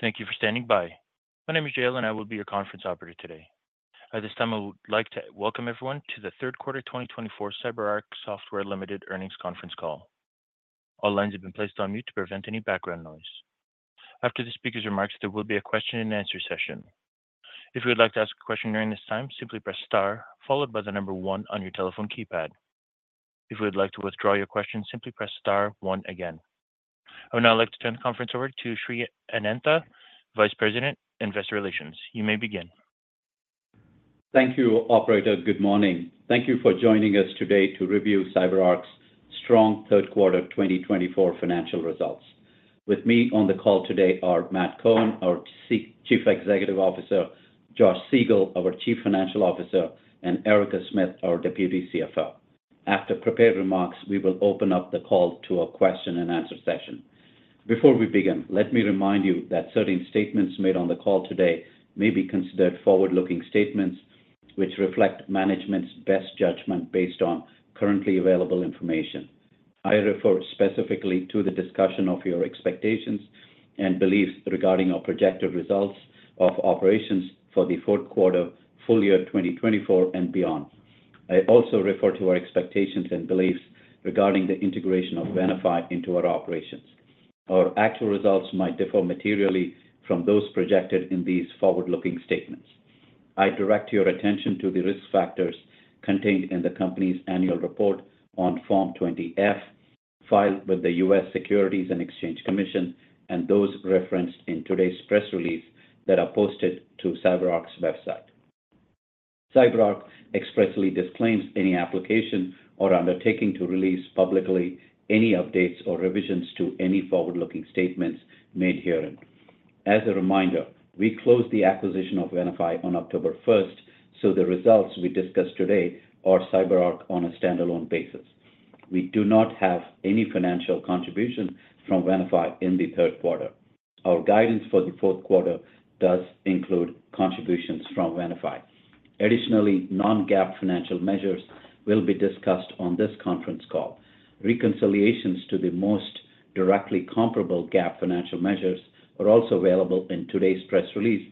Thank you for standing by. My name is Jale, and I will be your conference operator today. At this time, I would like to welcome everyone to the Third Quarter 2024 CyberArk Software Limited Earnings Conference Call. All lines have been placed on mute to prevent any background noise. After the speaker's remarks, there will be a question-and-answer session. If you would like to ask a question during this time, simply press star, followed by the number one on your telephone keypad. If you would like to withdraw your question, simply press star, one, again. I would now like to turn the conference over to Sri Anantha, Vice President, Investor Relations. You may begin. Thank you, Operator. Good morning. Thank you for joining us today to review CyberArk's strong third quarter 2024 financial results. With me on the call today are Matt Cohen, our Chief Executive Officer, Josh Siegel, our Chief Financial Officer, and Erica Smith, our Deputy CFO. After prepared remarks, we will open up the call to a question-and-answer session. Before we begin, let me remind you that certain statements made on the call today may be considered forward-looking statements which reflect management's best judgment based on currently available information. I refer specifically to the discussion of your expectations and beliefs regarding our projected results of operations for the fourth quarter, full year 2024, and beyond. I also refer to our expectations and beliefs regarding the integration of Venafi into our operations. Our actual results might differ materially from those projected in these forward-looking statements. I direct your attention to the risk factors contained in the company's annual report on Form 20-F, filed with the U.S. Securities and Exchange Commission, and those referenced in today's press release that are posted to CyberArk's website. CyberArk expressly disclaims any application or undertaking to release publicly any updates or revisions to any forward-looking statements made here. As a reminder, we closed the acquisition of Venafi on October 1st, so the results we discuss today are CyberArk on a standalone basis. We do not have any financial contribution from Venafi in the third quarter. Our guidance for the fourth quarter does include contributions from Venafi. Additionally, non-GAAP financial measures will be discussed on this conference call. Reconciliations to the most directly comparable GAAP financial measures are also available in today's press release,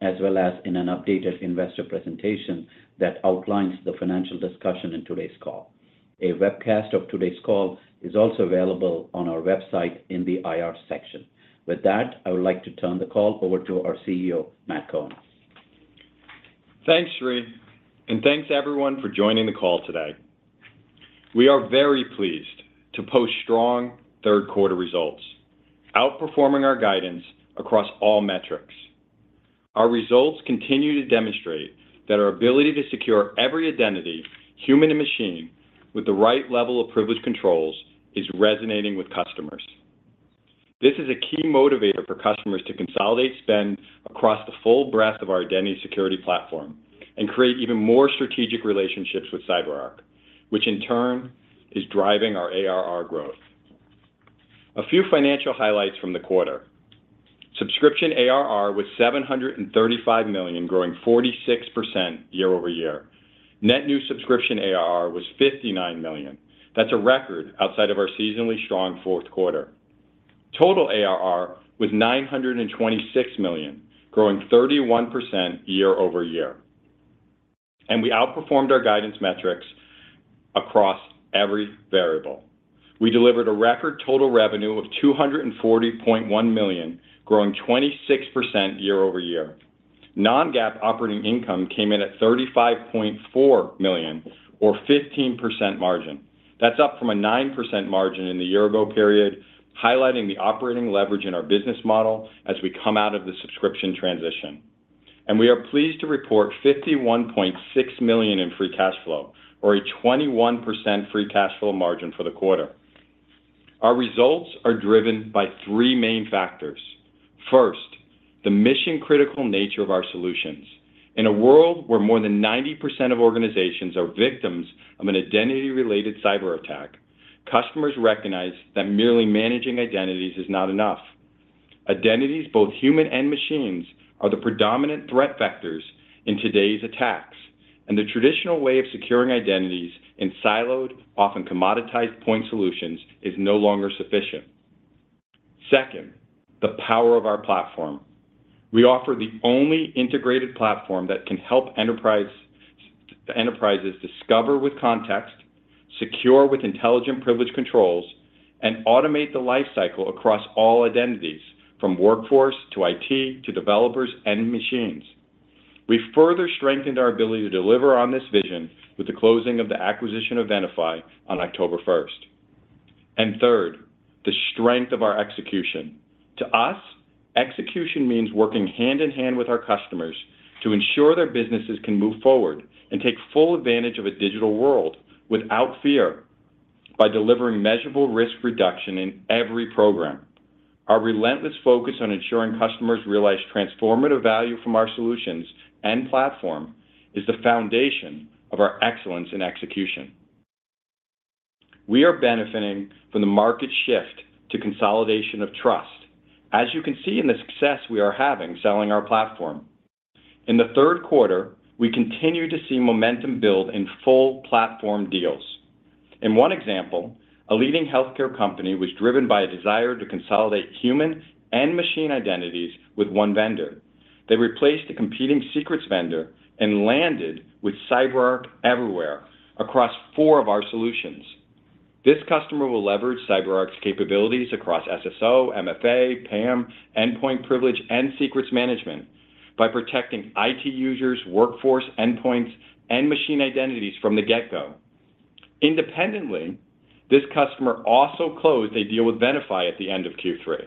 as well as in an updated investor presentation that outlines the financial discussion in today's call. A webcast of today's call is also available on our website in the IR section. With that, I would like to turn the call over to our CEO, Matt Cohen. Thanks, Sri. And thanks, everyone, for joining the call today. We are very pleased to post strong third quarter results, outperforming our guidance across all metrics. Our results continue to demonstrate that our ability to secure every identity, human and machine, with the right level of privilege controls is resonating with customers. This is a key motivator for customers to consolidate spend across the full breadth of our Identity Security platform and create even more strategic relationships with CyberArk, which in turn is driving our ARR growth. A few financial highlights from the quarter: subscription ARR was $735 million, growing 46% year-over-year. Net new subscription ARR was $59 million. That's a record outside of our seasonally strong fourth quarter. Total ARR was $926 million, growing 31% year-over-year. And we outperformed our guidance metrics across every variable. We delivered a record total revenue of $240.1 million, growing 26% year-over-year. Non-GAAP operating income came in at $35.4 million, or 15% margin. That's up from a 9% margin in the year-ago period, highlighting the operating leverage in our business model as we come out of the subscription transition. We are pleased to report $51.6 million in free cash flow, or a 21% free cash flow margin for the quarter. Our results are driven by three main factors. First, the mission-critical nature of our solutions. In a world where more than 90% of organizations are victims of an identity-related cyber attack, customers recognize that merely managing identities is not enough. Identities, both human and machines, are the predominant threat vectors in today's attacks, and the traditional way of securing identities in siloed, often commoditized point solutions is no longer sufficient. Second, the power of our platform. We offer the only integrated platform that can help enterprises discover with context, secure with intelligent privilege controls, and automate the lifecycle across all identities, from workforce to IT to developers and machines. We've further strengthened our ability to deliver on this vision with the closing of the acquisition of Venafi on October 1st. Third, the strength of our execution. To us, execution means working hand in hand with our customers to ensure their businesses can move forward and take full advantage of a digital world without fear by delivering measurable risk reduction in every program. Our relentless focus on ensuring customers realize transformative value from our solutions and platform is the foundation of our excellence in execution. We are benefiting from the market shift to consolidation of trust, as you can see in the success we are having selling our platform. In the third quarter, we continue to see momentum build in full platform deals. In one example, a leading healthcare company was driven by a desire to consolidate human and machine identities with one vendor. They replaced a competing secrets vendor and landed with CyberArk everywhere across four of our solutions. This customer will leverage CyberArk's capabilities across SSO, MFA, PAM, Endpoint Privilege, and Secrets Management by protecting IT users, workforce, endpoints, and machine identities from the get-go. Independently, this customer also closed a deal with Venafi at the end of Q3.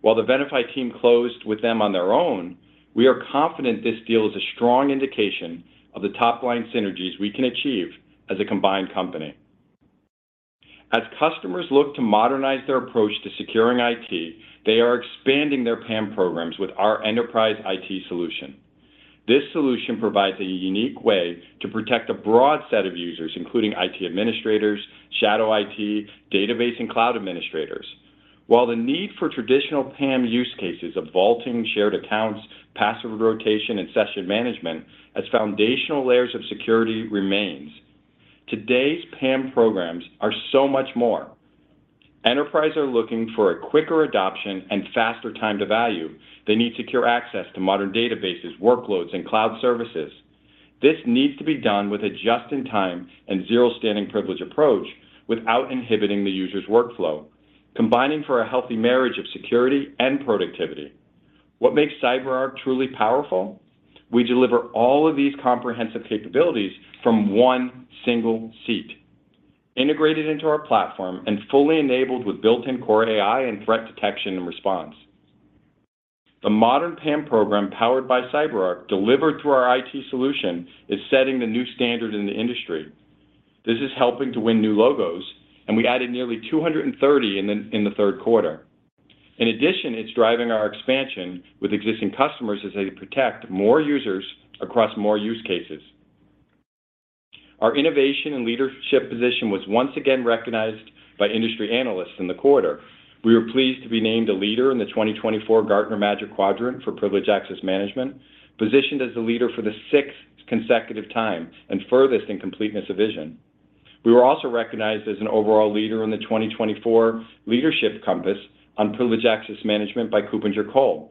While the Venafi team closed with them on their own, we are confident this deal is a strong indication of the top-line synergies we can achieve as a combined company. As customers look to modernize their approach to securing IT, they are expanding their PAM programs with our enterprise IT solution. This solution provides a unique way to protect a broad set of users, including IT administrators, shadow IT, database, and cloud administrators. While the need for traditional PAM use cases of vaulting, shared accounts, password rotation, and session management as foundational layers of security remains, today's PAM programs are so much more. Enterprises are looking for a quicker adoption and faster time to value. They need secure access to modern databases, workloads, and cloud services. This needs to be done with a just-in-time and Zero Standing Privilege approach without inhibiting the user's workflow, combining for a healthy marriage of security and productivity. What makes CyberArk truly powerful? We deliver all of these comprehensive capabilities from one single seat, integrated into our platform and fully enabled with built-in CORA AI and threat detection and response. The modern PAM program powered by CyberArk, delivered through our IT solution, is setting the new standard in the industry. This is helping to win new logos, and we added nearly 230 in the third quarter. In addition, it's driving our expansion with existing customers as they protect more users across more use cases. Our innovation and leadership position was once again recognized by industry analysts in the quarter. We were pleased to be named a leader in the 2024 Gartner Magic Quadrant for Privileged Access Management, positioned as the leader for the sixth consecutive time and furthest in completeness of vision. We were also recognized as an overall leader in the 2024 Leadership Compass on Privileged Access Management by KuppingerCole,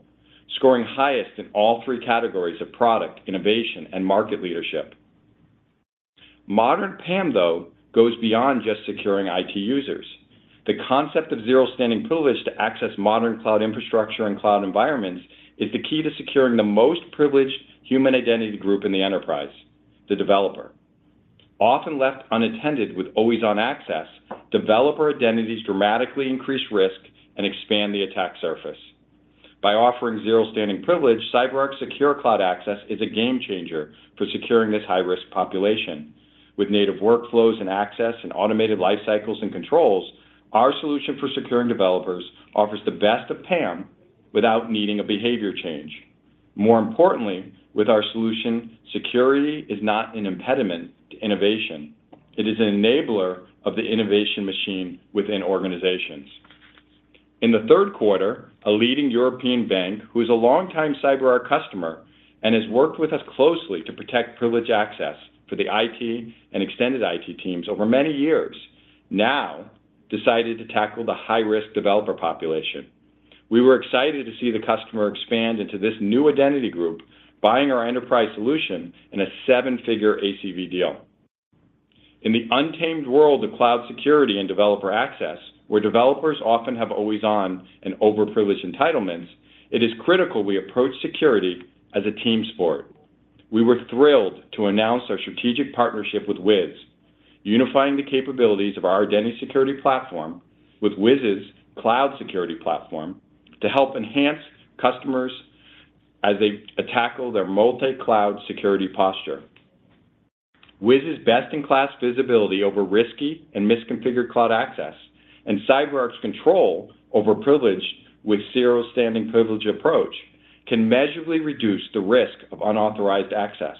scoring highest in all three categories of product, innovation, and market leadership. Modern PAM, though, goes beyond just securing IT users. The concept of Zero Standing Privilege to access modern cloud infrastructure and cloud environments is the key to securing the most privileged human identity group in the enterprise: the developer. Often left unattended with always-on access, developer identities dramatically increase risk and expand the attack surface. By offering Zero Standing Privilege, CyberArk Secure Cloud Access is a game changer for securing this high-risk population. With native workflows and access and automated life cycles and controls, our solution for securing developers offers the best of PAM without needing a behavior change. More importantly, with our solution, security is not an impediment to innovation. It is an enabler of the innovation machine within organizations. In the third quarter, a leading European bank, who is a longtime CyberArk customer and has worked with us closely to protect privileged access for the IT and extended IT teams over many years, now decided to tackle the high-risk developer population. We were excited to see the customer expand into this new identity group, buying our enterprise solution in a seven-figure ACV deal. In the untamed world of cloud security and developer access, where developers often have always-on and over-privileged entitlements, it is critical we approach security as a team sport. We were thrilled to announce our strategic partnership with Wiz, unifying the capabilities of our Identity Security platform with Wiz's cloud security platform to help enhance customers as they tackle their multi-cloud security posture. Wiz's best-in-class visibility over risky and misconfigured cloud access and CyberArk's control over privilege with Zero Standing Privilege approach can measurably reduce the risk of unauthorized access,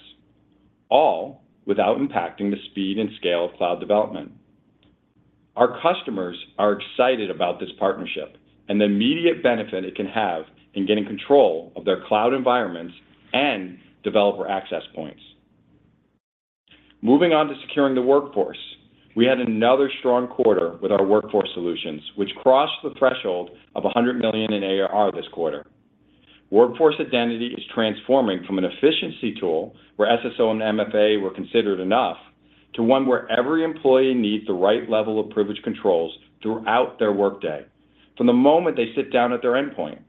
all without impacting the speed and scale of cloud development. Our customers are excited about this partnership and the immediate benefit it can have in getting control of their cloud environments and developer access points. Moving on to securing the workforce, we had another strong quarter with our workforce solutions, which crossed the threshold of $100 million in ARR this quarter. Workforce Identity is transforming from an efficiency tool where SSO and MFA were considered enough to one where every employee needs the right level of privilege controls throughout their workday, from the moment they sit down at their endpoint.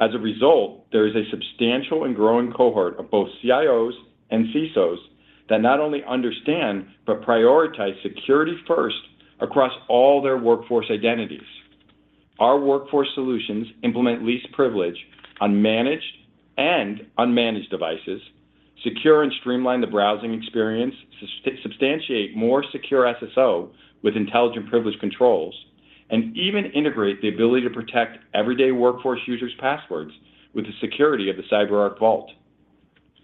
As a result, there is a substantial and growing cohort of both CIOs and CISOs that not only understand but prioritize security first across all their workforce identities. Our workforce solutions implement least privilege on managed and unmanaged devices, secure and streamline the browsing experience, substantiate more secure SSO with intelligent privilege controls, and even integrate the ability to protect everyday workforce users' passwords with the security of the CyberArk vault.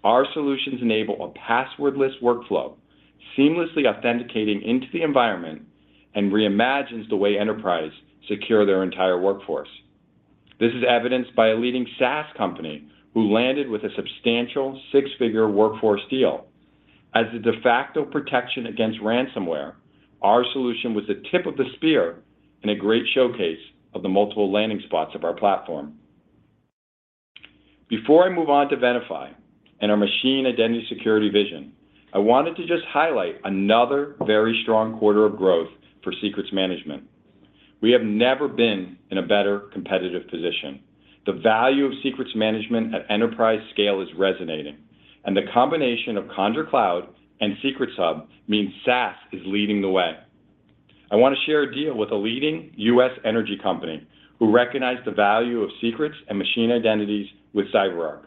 Our solutions enable a passwordless workflow, seamlessly authenticating into the environment, and reimagines the way enterprises secure their entire workforce. This is evidenced by a leading SaaS company who landed with a substantial six-figure workforce deal. As a de facto protection against ransomware, our solution was the tip of the spear in a great showcase of the multiple landing spots of our platform. Before I move on to Venafi and our Machine Identity Security vision, I wanted to just highlight another very strong quarter of growth for Secrets Management. We have never been in a better competitive position. The value of Secrets Management at enterprise scale is resonating, and the combination of Conjur Cloud and Secrets Hub means SaaS is leading the way. I want to share a deal with a leading U.S. energy company who recognized the value of secrets and machine identities with CyberArk.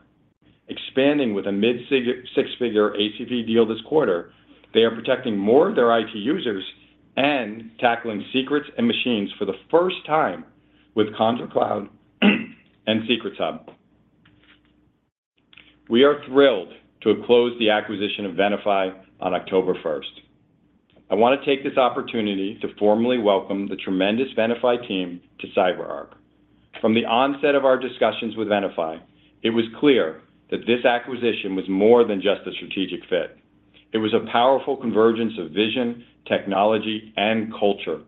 Expanding with a mid-six-figure ACV deal this quarter, they are protecting more of their IT users and tackling secrets and machines for the first time with Conjur Cloud and Secrets Hub. We are thrilled to have closed the acquisition of Venafi on October 1st. I want to take this opportunity to formally welcome the tremendous Venafi team to CyberArk. From the onset of our discussions with Venafi, it was clear that this acquisition was more than just a strategic fit. It was a powerful convergence of vision, technology, and culture.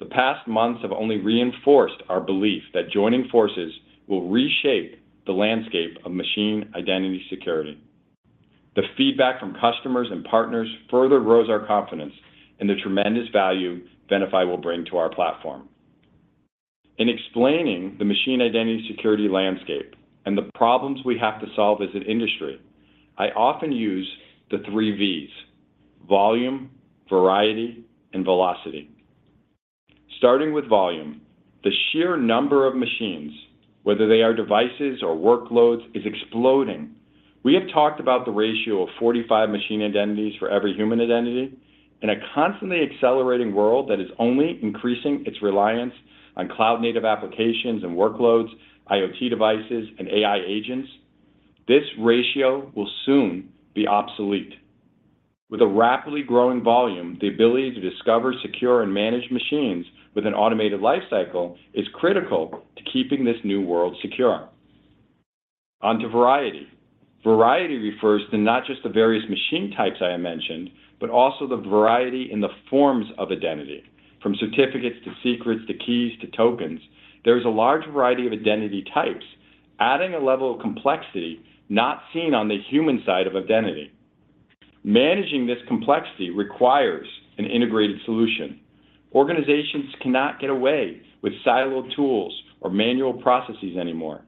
The past months have only reinforced our belief that joining forces will reshape the landscape of Machine Identity Security. The feedback from customers and partners further rose our confidence in the tremendous value Venafi will bring to our platform. In explaining the Machine Identity Security landscape and the problems we have to solve as an industry, I often use the three Vs: volume, variety, and velocity. Starting with volume, the sheer number of machines, whether they are devices or workloads, is exploding. We have talked about the ratio of 45 machine identities for every human identity. In a constantly accelerating world that is only increasing its reliance on cloud-native applications and workloads, IoT devices, and AI agents, this ratio will soon be obsolete. With a rapidly growing volume, the ability to discover, secure, and manage machines with an automated life cycle is critical to keeping this new world secure. Onto variety. Variety refers to not just the various machine types I have mentioned, but also the variety in the forms of identity. From certificates to secrets to keys to tokens, there is a large variety of identity types, adding a level of complexity not seen on the human side of identity. Managing this complexity requires an integrated solution. Organizations cannot get away with siloed tools or manual processes anymore.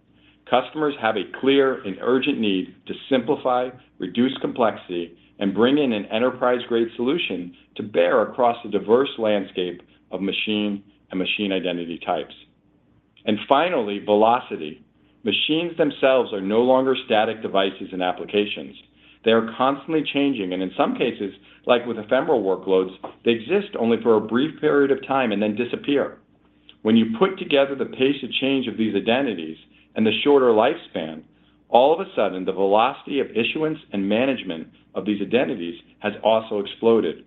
Customers have a clear and urgent need to simplify, reduce complexity, and bring in an enterprise-grade solution to bear across the diverse landscape of machine and machine identity types. And finally, velocity. Machines themselves are no longer static devices and applications. They are constantly changing, and in some cases, like with ephemeral workloads, they exist only for a brief period of time and then disappear. When you put together the pace of change of these identities and the shorter lifespan, all of a sudden, the velocity of issuance and management of these identities has also exploded.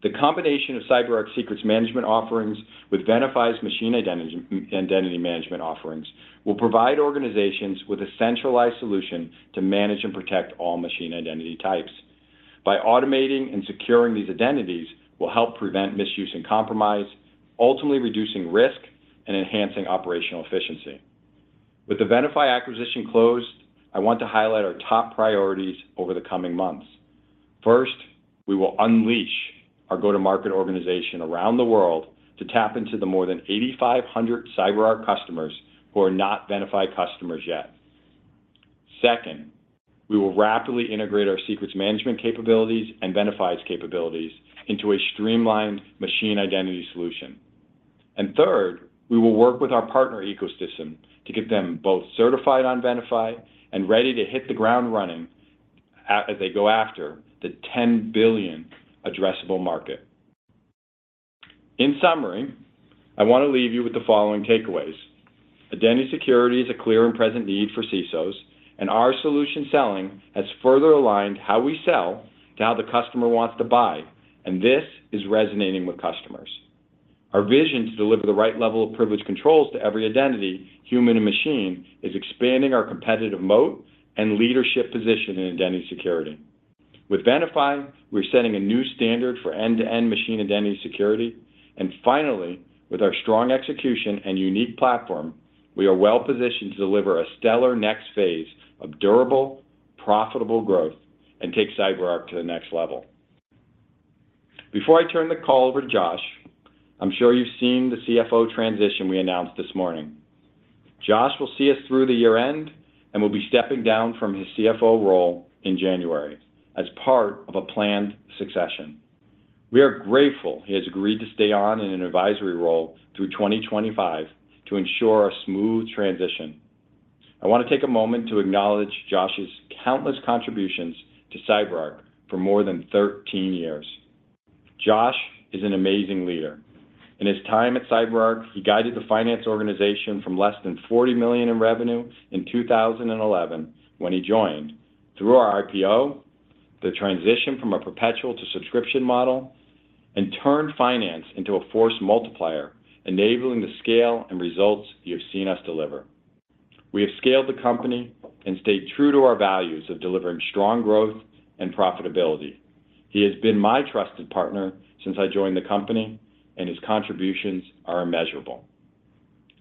The combination of CyberArk Secrets Management offerings with Venafi's Machine Identity Management offerings will provide organizations with a centralized solution to manage and protect all machine identity types. By automating and securing these identities, we'll help prevent misuse and compromise, ultimately reducing risk and enhancing operational efficiency. With the Venafi acquisition closed, I want to highlight our top priorities over the coming months. First, we will unleash our go-to-market organization around the world to tap into the more than 8,500 CyberArk customers who are not Venafi customers yet. Second, we will rapidly integrate our Secrets Management capabilities and Venafi's capabilities into a streamlined Machine Identity Solution. And third, we will work with our partner ecosystem to get them both certified on Venafi and ready to hit the ground running as they go after the $10 billion addressable market. In summary, I want to leave you with the following takeaways. Identity Security is a clear and present need for CISOs, and our solution selling has further aligned how we sell to how the customer wants to buy, and this is resonating with customers. Our vision to deliver the right level of privilege controls to every identity, human and machine, is expanding our competitive moat and leadership position in Identity Security. With Venafi, we're setting a new standard for end-to-end Machine Identity Security. And finally, with our strong execution and unique platform, we are well positioned to deliver a stellar next phase of durable, profitable growth and take CyberArk to the next level. Before I turn the call over to Josh, I'm sure you've seen the CFO transition we announced this morning. Josh will see us through the year-end and will be stepping down from his CFO role in January as part of a planned succession. We are grateful he has agreed to stay on in an advisory role through 2025 to ensure a smooth transition. I want to take a moment to acknowledge Josh's countless contributions to CyberArk for more than 13 years. Josh is an amazing leader. In his time at CyberArk, he guided the finance organization from less than $40 million in revenue in 2011 when he joined, through our IPO, the transition from a perpetual to subscription model, and turned finance into a force multiplier, enabling the scale and results you have seen us deliver. We have scaled the company and stayed true to our values of delivering strong growth and profitability. He has been my trusted partner since I joined the company, and his contributions are immeasurable.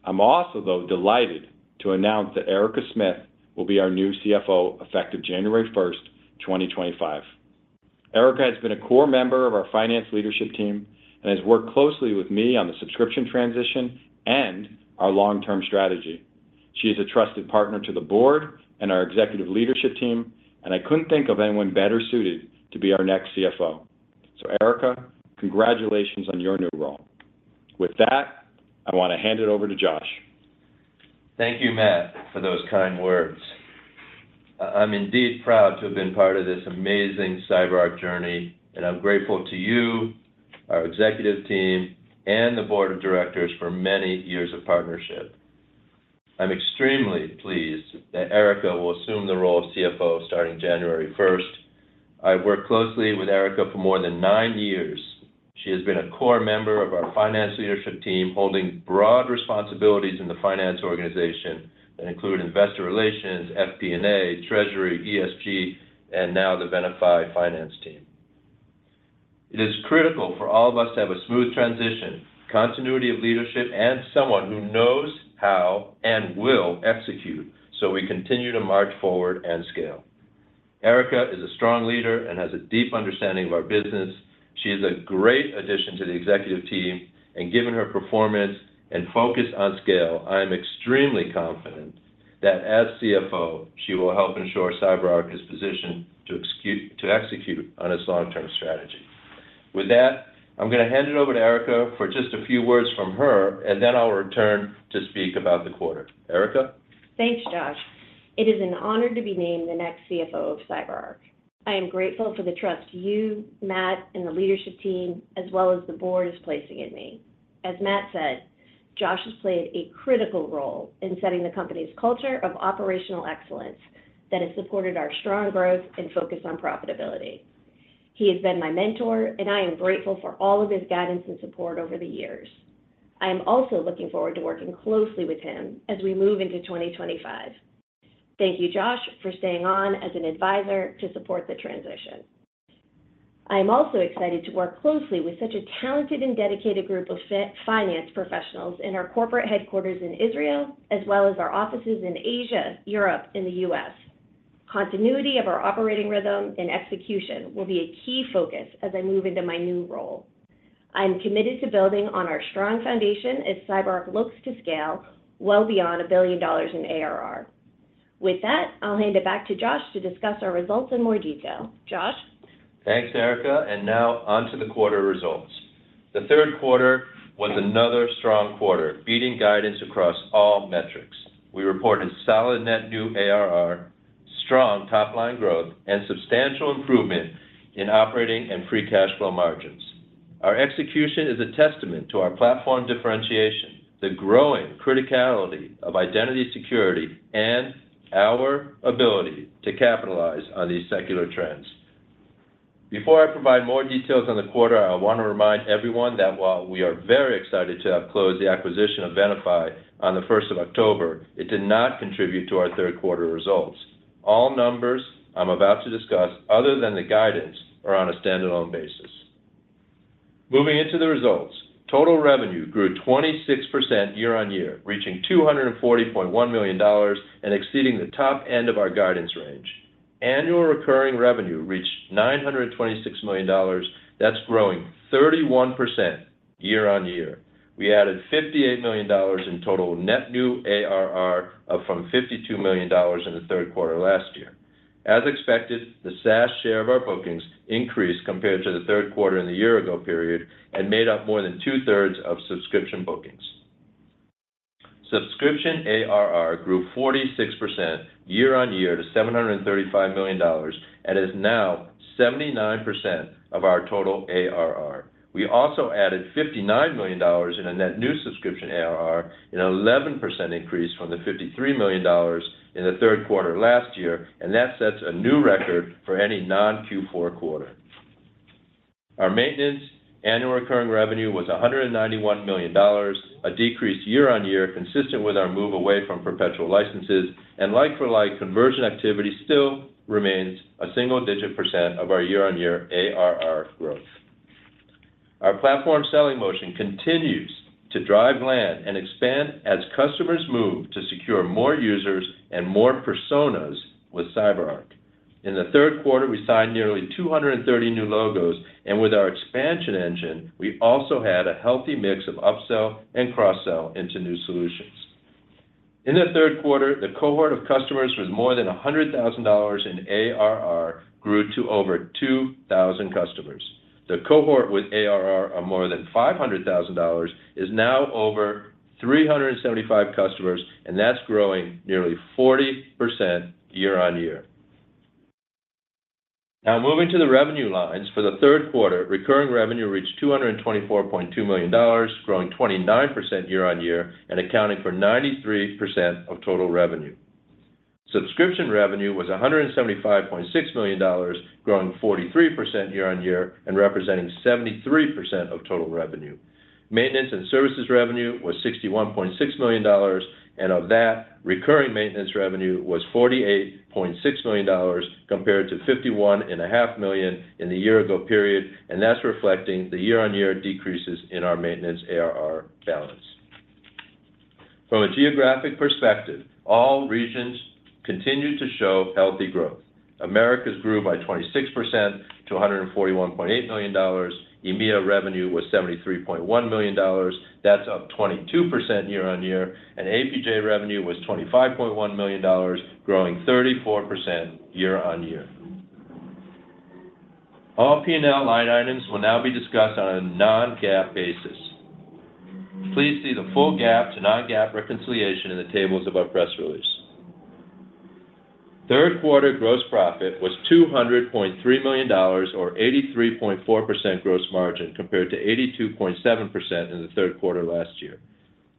I'm also, though, delighted to announce that Erica Smith will be our new CFO effective January 1st, 2025. Erica has been a core member of our finance leadership team and has worked closely with me on the subscription transition and our long-term strategy. She is a trusted partner to the board and our executive leadership team, and I couldn't think of anyone better suited to be our next CFO. So, Erica, congratulations on your new role. With that, I want to hand it over to Josh. Thank you, Matt, for those kind words. I'm indeed proud to have been part of this amazing CyberArk journey, and I'm grateful to you, our executive team, and the board of directors for many years of partnership. I'm extremely pleased that Erica will assume the role of CFO starting January 1st. I've worked closely with Erica for more than nine years. She has been a core member of our finance leadership team, holding broad responsibilities in the finance organization that include investor relations, FP&A, treasury, ESG, and now the Venafi finance team. It is critical for all of us to have a smooth transition, continuity of leadership, and someone who knows how and will execute so we continue to march forward and scale. Erica is a strong leader and has a deep understanding of our business. She is a great addition to the executive team, and given her performance and focus on scale, I am extremely confident that as CFO, she will help ensure CyberArk is positioned to execute on its long-term strategy. With that, I'm going to hand it over to Erica for just a few words from her, and then I'll return to speak about the quarter. Erica? Thanks, Josh. It is an honor to be named the next CFO of CyberArk. I am grateful for the trust you, Matt, and the leadership team, as well as the board, is placing in me. As Matt said, Josh has played a critical role in setting the company's culture of operational excellence that has supported our strong growth and focus on profitability. He has been my mentor, and I am grateful for all of his guidance and support over the years. I am also looking forward to working closely with him as we move into 2025. Thank you, Josh, for staying on as an advisor to support the transition. I am also excited to work closely with such a talented and dedicated group of finance professionals in our corporate headquarters in Israel, as well as our offices in Asia, Europe, and the U.S. Continuity of our operating rhythm and execution will be a key focus as I move into my new role. I'm committed to building on our strong foundation as CyberArk looks to scale well beyond $1 billion in ARR. With that, I'll hand it back to Josh to discuss our results in more detail. Josh? Thanks, Erica. And now on to the quarter results. The third quarter was another strong quarter, beating guidance across all metrics. We reported solid net new ARR, strong top-line growth, and substantial improvement in operating and free cash flow margins. Our execution is a testament to our platform differentiation, the growing criticality of Identity Security, and our ability to capitalize on these secular trends. Before I provide more details on the quarter, I want to remind everyone that while we are very excited to have closed the acquisition of Venafi on the 1st of October, it did not contribute to our third quarter results. All numbers I'm about to discuss, other than the guidance, are on a standalone basis. Moving into the results, total revenue grew 26% year-on-year, reaching $240.1 million and exceeding the top end of our guidance range. Annual recurring revenue reached $926 million. That's growing 31% year-on-year. We added $58 million in total net new ARR up from $52 million in the third quarter last year. As expected, the SaaS share of our bookings increased compared to the third quarter in the year-ago period and made up more than 2/3 of subscription bookings. Subscription ARR grew 46% year-on-year to $735 million and is now 79% of our total ARR. We also added $59 million in a net new subscription ARR, an 11% increase from the $53 million in the third quarter last year, and that sets a new record for any non-Q4 quarter. Our maintenance annual recurring revenue was $191 million, a decrease year-on-year consistent with our move away from perpetual licenses, and like-for-like conversion activity still remains a single-digit percent of our year-on-year ARR growth. Our platform selling motion continues to drive land and expand as customers move to secure more users and more personas with CyberArk. In the third quarter, we signed nearly 230 new logos, and with our expansion engine, we also had a healthy mix of upsell and cross-sell into new solutions. In the third quarter, the cohort of customers with more than $100,000 in ARR grew to over 2,000 customers. The cohort with ARR of more than $500,000 is now over 375 customers, and that's growing nearly 40% year-on-year. Now, moving to the revenue lines, for the third quarter, recurring revenue reached $224.2 million, growing 29% year-on-year and accounting for 93% of total revenue. Subscription revenue was $175.6 million, growing 43% year-on-year and representing 73% of total revenue. Maintenance and services revenue was $61.6 million, and of that, recurring maintenance revenue was $48.6 million compared to $51.5 million in the year-ago period, and that's reflecting the year-on-year decreases in our maintenance ARR balance. From a geographic perspective, all regions continue to show healthy growth. Americas grew by 26% to $141.8 million. EMEA revenue was $73.1 million. That's up 22% year-on-year, and APJ revenue was $25.1 million, growing 34% year-on-year. All P&L line items will now be discussed on a non-GAAP basis. Please see the full GAAP to non-GAAP reconciliation in the tables of our press release. Third quarter gross profit was $200.3 million, or 83.4% gross margin, compared to 82.7% in the third quarter last year.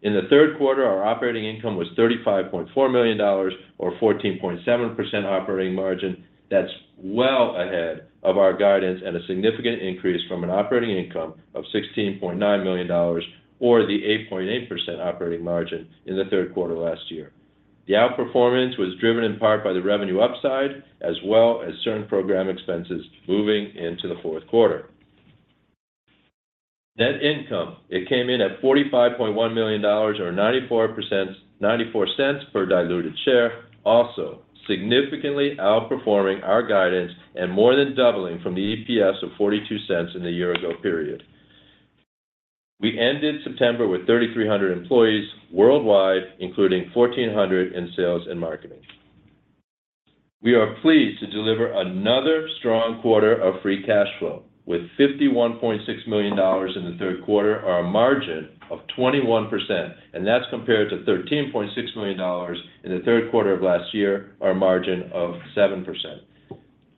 In the third quarter, our operating income was $35.4 million, or 14.7% operating margin. That's well ahead of our guidance and a significant increase from an operating income of $16.9 million, or the 8.8% operating margin in the third quarter last year. The outperformance was driven in part by the revenue upside, as well as certain program expenses moving into the fourth quarter. Net income, it came in at $45.1 million, or $0.94 per diluted share, also significantly outperforming our guidance and more than doubling from the EPS of $0.42 in the year-ago period. We ended September with 3,300 employees worldwide, including 1,400 in sales and marketing. We are pleased to deliver another strong quarter of free cash flow. With $51.6 million in the third quarter, our margin of 21%, and that's compared to $13.6 million in the third quarter of last year, our margin of 7%.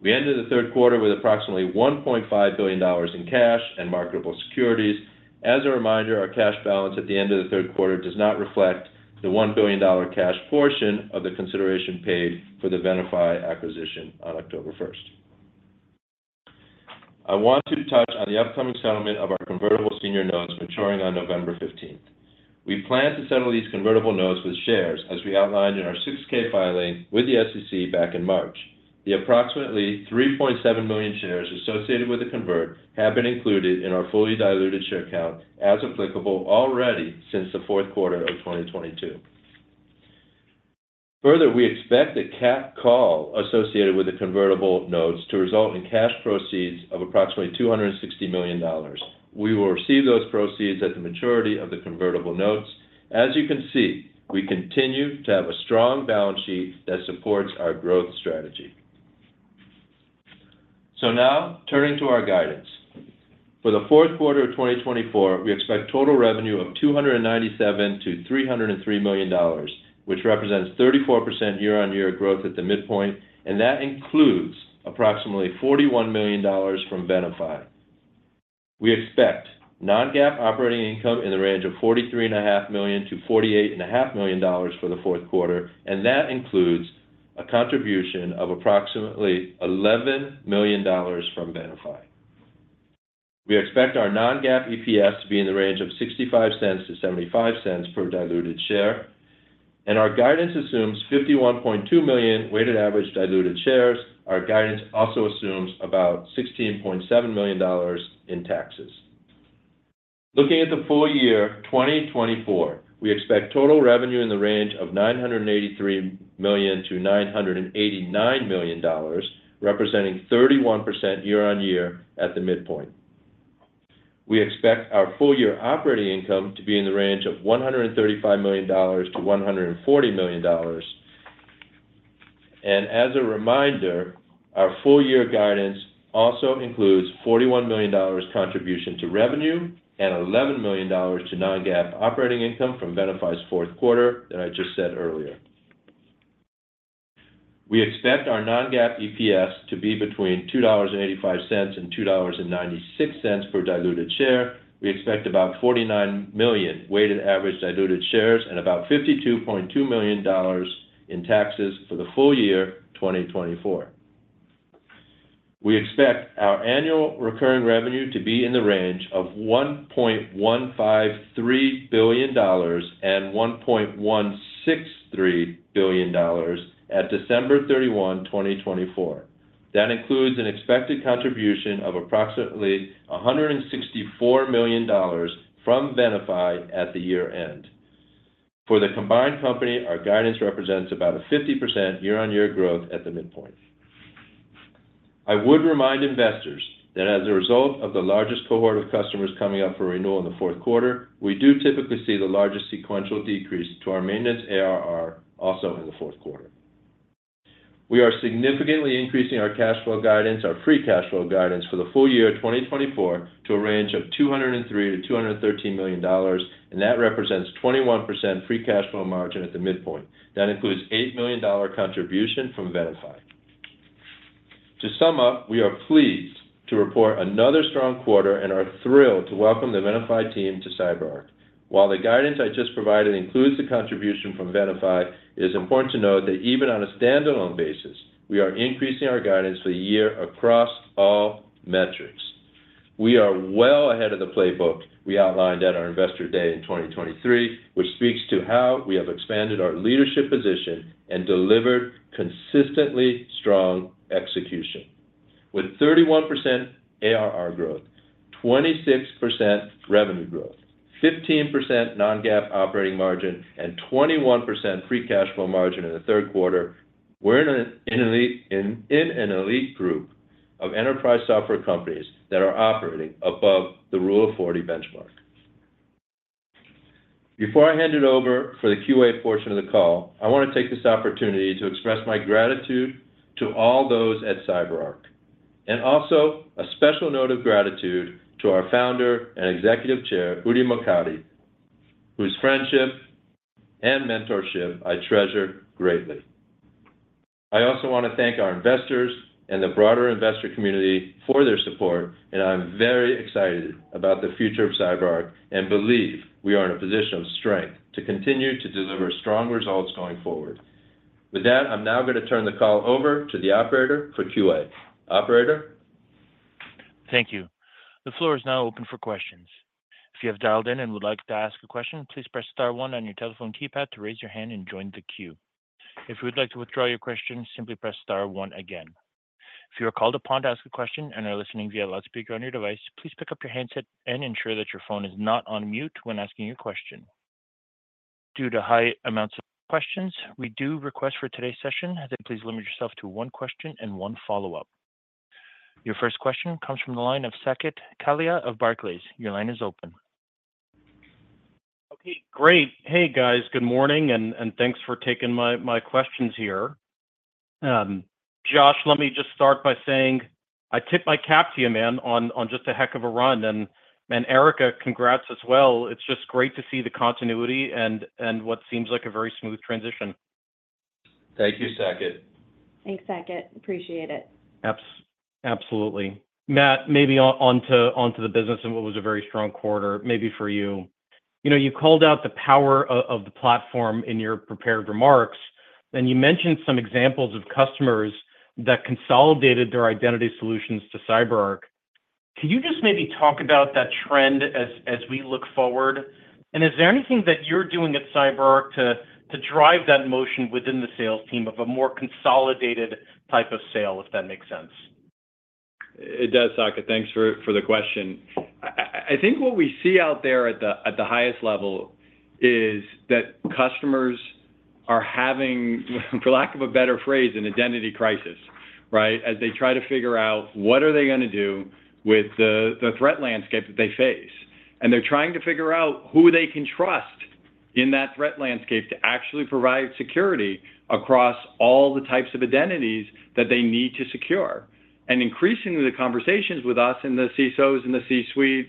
We ended the third quarter with approximately $1.5 billion in cash and marketable securities. As a reminder, our cash balance at the end of the third quarter does not reflect the $1 billion cash portion of the consideration paid for the Venafi acquisition on October 1st. I want to touch on the upcoming settlement of our convertible senior notes maturing on November 15th. We plan to settle these convertible notes with shares, as we outlined in our 6-K filing with the SEC back in March. The approximately 3.7 million shares associated with the convert have been included in our fully diluted share count as applicable already since the fourth quarter of 2022. Further, we expect the capped call associated with the convertible notes to result in cash proceeds of approximately $260 million. We will receive those proceeds at the maturity of the convertible notes. As you can see, we continue to have a strong balance sheet that supports our growth strategy. Now, turning to our guidance. For the fourth quarter of 2024, we expect total revenue of $297 million-$303 million, which represents 34% year-on-year growth at the midpoint, and that includes approximately $41 million from Venafi. We expect non-GAAP operating income in the range of $43.5 million-$48.5 million for the fourth quarter, and that includes a contribution of approximately $11 million from Venafi. We expect our non-GAAP EPS to be in the range of $0.65-$0.75 per diluted share, and our guidance assumes $51.2 million weighted average diluted shares. Our guidance also assumes about $16.7 million in taxes. Looking at the full year 2024, we expect total revenue in the range of $983 million-$989 million, representing 31% year-on-year at the midpoint. We expect our full-year operating income to be in the range of $135 million-$140 million. As a reminder, our full-year guidance also includes $41 million contribution to revenue and $11 million to non-GAAP operating income from Venafi's fourth quarter that I just said earlier. We expect our non-GAAP EPS to be between $2.85 and $2.96 per diluted share. We expect about 49 million weighted average diluted shares and about $52.2 million in taxes for the full year 2024. We expect our annual recurring revenue to be in the range of $1.153 billion and $1.163 billion at December 31, 2024. That includes an expected contribution of approximately $164 million from Venafi at the year-end. For the combined company, our guidance represents about 50% year-on-year growth at the midpoint. I would remind investors that as a result of the largest cohort of customers coming up for renewal in the fourth quarter, we do typically see the largest sequential decrease to our maintenance ARR also in the fourth quarter. We are significantly increasing our cash flow guidance, our free cash flow guidance for the full year 2024 to a range of $203 million-$213 million, and that represents 21% free cash flow margin at the midpoint. That includes $8 million contribution from Venafi. To sum up, we are pleased to report another strong quarter and are thrilled to welcome the Venafi team to CyberArk. While the guidance I just provided includes the contribution from Venafi, it is important to note that even on a standalone basis, we are increasing our guidance for the year across all metrics. We are well ahead of the playbook we outlined at our Investor Day in 2023, which speaks to how we have expanded our leadership position and delivered consistently strong execution. With 31% ARR growth, 26% revenue growth, 15% non-GAAP operating margin, and 21% free cash flow margin in the third quarter, we're in an elite group of enterprise software companies that are operating above the Rule of 40 benchmark. Before I hand it over for the Q&A portion of the call, I want to take this opportunity to express my gratitude to all those at CyberArk, and also a special note of gratitude to our Founder and Executive Chair, Udi Mokady, whose friendship and mentorship I treasure greatly. I also want to thank our investors and the broader investor community for their support, and I'm very excited about the future of CyberArk and believe we are in a position of strength to continue to deliver strong results going forward. With that, I'm now going to turn the call over to the operator for Q&A. Operator. Thank you. The floor is now open for questions. If you have dialed in and would like to ask a question, please press star one on your telephone keypad to raise your hand and join the queue. If you would like to withdraw your question, simply press star one again. If you are called upon to ask a question and are listening via loudspeaker on your device, please pick up your handset and ensure that your phone is not on mute when asking your question. Due to high amounts of questions, we do request for today's session that you please limit yourself to one question and one follow-up. Your first question comes from the line of Saket Kalia of Barclays. Your line is open. Okay, great. Hey, guys, good morning, and thanks for taking my questions here. Josh, let me just start by saying I tip my cap to you, man, on just a heck of a run. And Erica, congrats as well. It's just great to see the continuity and what seems like a very smooth transition. Thank you, Saket. Thanks, Saket. Appreciate it. Absolutely. Matt, maybe onto the business and what was a very strong quarter, maybe for you. You called out the power of the platform in your prepared remarks, and you mentioned some examples of customers that consolidated their identity solutions to CyberArk. Can you just maybe talk about that trend as we look forward? And is there anything that you're doing at CyberArk to drive that motion within the sales team of a more consolidated type of sale, if that makes sense? It does, Saket. Thanks for the question. I think what we see out there at the highest level is that customers are having, for lack of a better phrase, an identity crisis, right, as they try to figure out what are they going to do with the threat landscape that they face. And they're trying to figure out who they can trust in that threat landscape to actually provide security across all the types of identities that they need to secure. And increasingly, the conversations with us and the CISOs and the C-suite,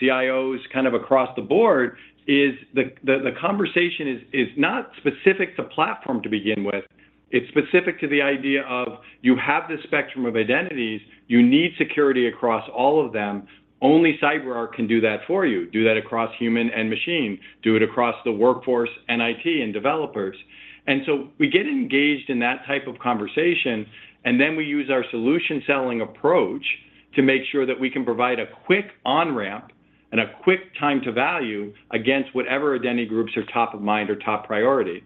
CIOs kind of across the board is the conversation is not specific to platform to begin with. It's specific to the idea of you have this spectrum of identities. You need security across all of them. Only CyberArk can do that for you. Do that across human and machine. Do it across the workforce and IT and developers. And so we get engaged in that type of conversation, and then we use our solution selling approach to make sure that we can provide a quick on-ramp and a quick time to value against whatever identity groups are top of mind or top priority.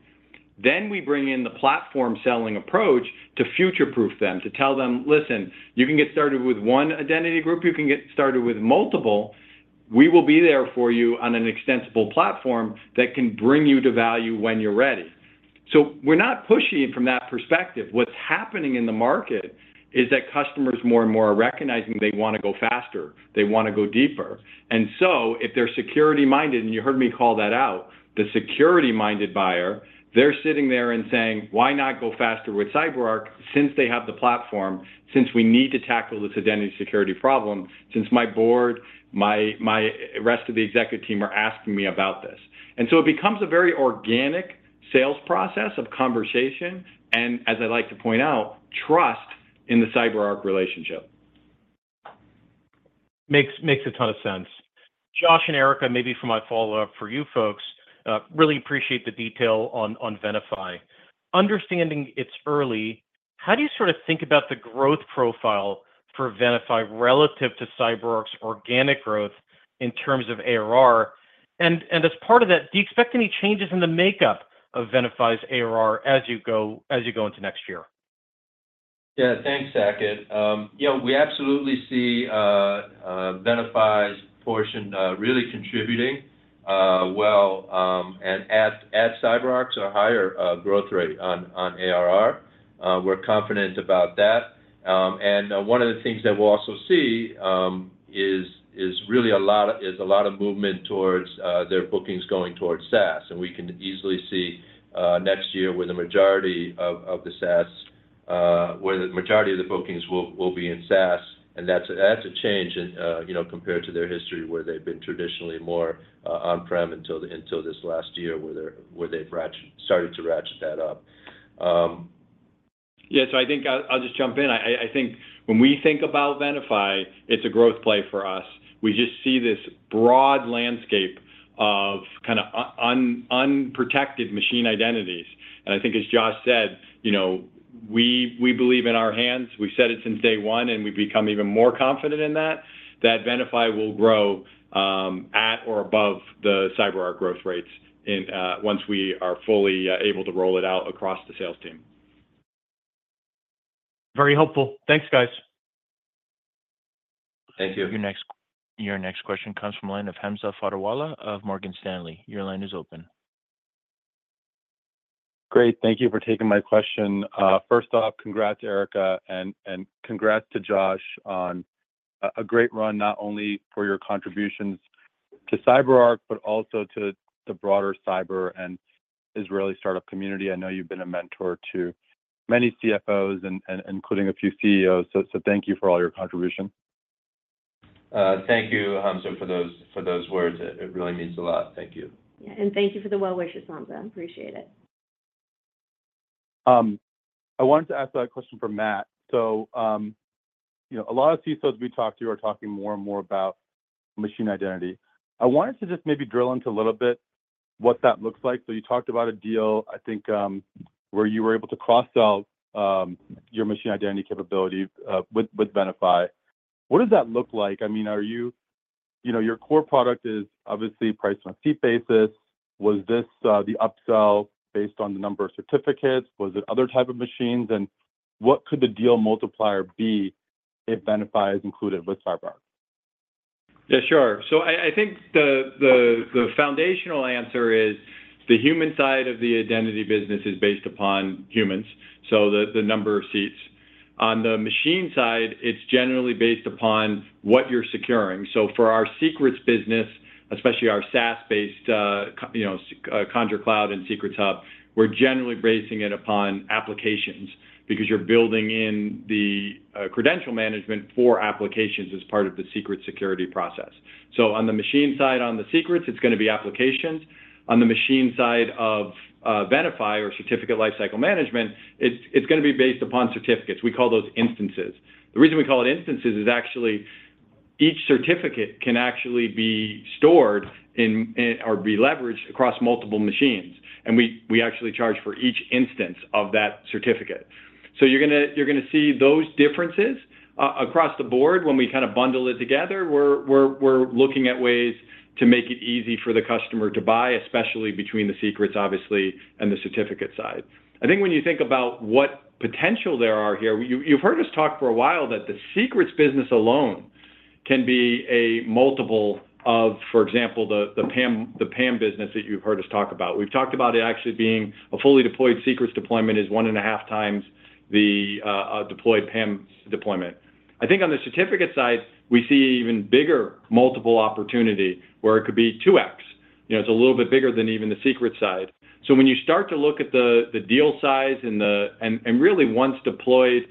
Then we bring in the platform selling approach to future-proof them, to tell them, "Listen, you can get started with one identity group. You can get started with multiple. We will be there for you on an extensible platform that can bring you to value when you're ready." So we're not pushing it from that perspective. What's happening in the market is that customers more and more are recognizing they want to go faster. They want to go deeper. And so if they're security-minded, and you heard me call that out, the security-minded buyer, they're sitting there and saying, "Why not go faster with CyberArk since they have the platform, since we need to tackle this identity security problem, since my board, my rest of the executive team are asking me about this?" And so it becomes a very organic sales process of conversation and, as I like to point out, trust in the CyberArk relationship. Makes a ton of sense. Josh and Erica, maybe for my follow-up for you folks, really appreciate the detail on Venafi. Understanding it's early, how do you sort of think about the growth profile for Venafi relative to CyberArk's organic growth in terms of ARR? And as part of that, do you expect any changes in the makeup of Venafi's ARR as you go into next year? Yeah, thanks, Saket. Yeah, we absolutely see Venafi's portion really contributing well at CyberArk's or higher growth rate on ARR. We're confident about that. One of the things that we'll also see is really a lot of movement towards their bookings going towards SaaS. We can easily see next year where the majority of the bookings will be in SaaS. That's a change compared to their history where they've been traditionally more on-prem until this last year where they've started to ratchet that up. Yeah, so I think I'll just jump in. I think when we think about Venafi, it's a growth play for us. We just see this broad landscape of kind of unprotected machine identities. And I think, as Josh said, we believe in our hands. We've said it since day one, and we've become even more confident in that, that Venafi will grow at or above the CyberArk growth rates once we are fully able to roll it out across the sales team. Very helpful. Thanks, guys. Thank you. Your next question comes from the line of Hamza Fodderwala of Morgan Stanley. Your line is open. Great. Thank you for taking my question. First off, congrats, Erica, and congrats to Josh on a great run not only for your contributions to CyberArk, but also to the broader cyber and Israeli startup community. I know you've been a mentor to many CFOs, including a few CEOs. So thank you for all your contribution. Thank you, Hamza, for those words. It really means a lot. Thank you. Yeah, and thank you for the well-wishes, Hamza. Appreciate it. I wanted to ask a question for Matt. So a lot of CISOs we talk to are talking more and more about machine identity. I wanted to just maybe drill into a little bit what that looks like. So you talked about a deal, I think, where you were able to cross-sell your machine identity capability with Venafi. What does that look like? I mean, your core product is obviously priced on a seat basis. Was this the upsell based on the number of certificates? Was it other types of machines? And what could the deal multiplier be if Venafi is included with CyberArk? Yeah, sure. So I think the foundational answer is the human side of the Identity business is based upon humans, so the number of seats. On the machine side, it's generally based upon what you're securing. So for our secrets business, especially our SaaS-based Conjur Cloud and Secrets Hub, we're generally basing it upon applications because you're building in the credential management for applications as part of the secret security process. So on the machine side on the secrets, it's going to be applications. On the machine side of Venafi or certificate lifecycle management, it's going to be based upon certificates. We call those instances. The reason we call it instances is actually each certificate can actually be stored or be leveraged across multiple machines. And we actually charge for each instance of that certificate. So you're going to see those differences across the board when we kind of bundle it together. We're looking at ways to make it easy for the customer to buy, especially between the Secrets, obviously, and the certificate side. I think when you think about what potential there are here, you've heard us talk for a while that the secrets business alone can be a multiple of, for example, the PAM business that you've heard us talk about. We've talked about it actually being a fully deployed secrets deployment is one and a half times the deployed PAM deployment. I think on the certificate side, we see even bigger multiple opportunity where it could be 2x. It's a little bit bigger than even the secret side. When you start to look at the deal size, and really, once-deployed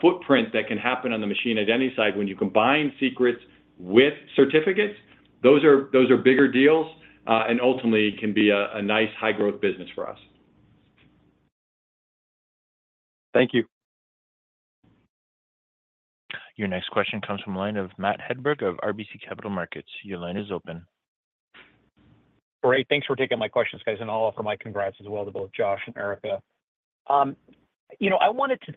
footprint that can happen on the machine identity side when you combine Secrets with certificates, those are bigger deals and ultimately can be a nice high-growth business for us. Thank you. Your next question comes from the line of Matt Hedberg of RBC Capital Markets. Your line is open. Great. Thanks for taking my questions, guys. And I'll offer my congrats as well to both Josh and Erica. I wanted to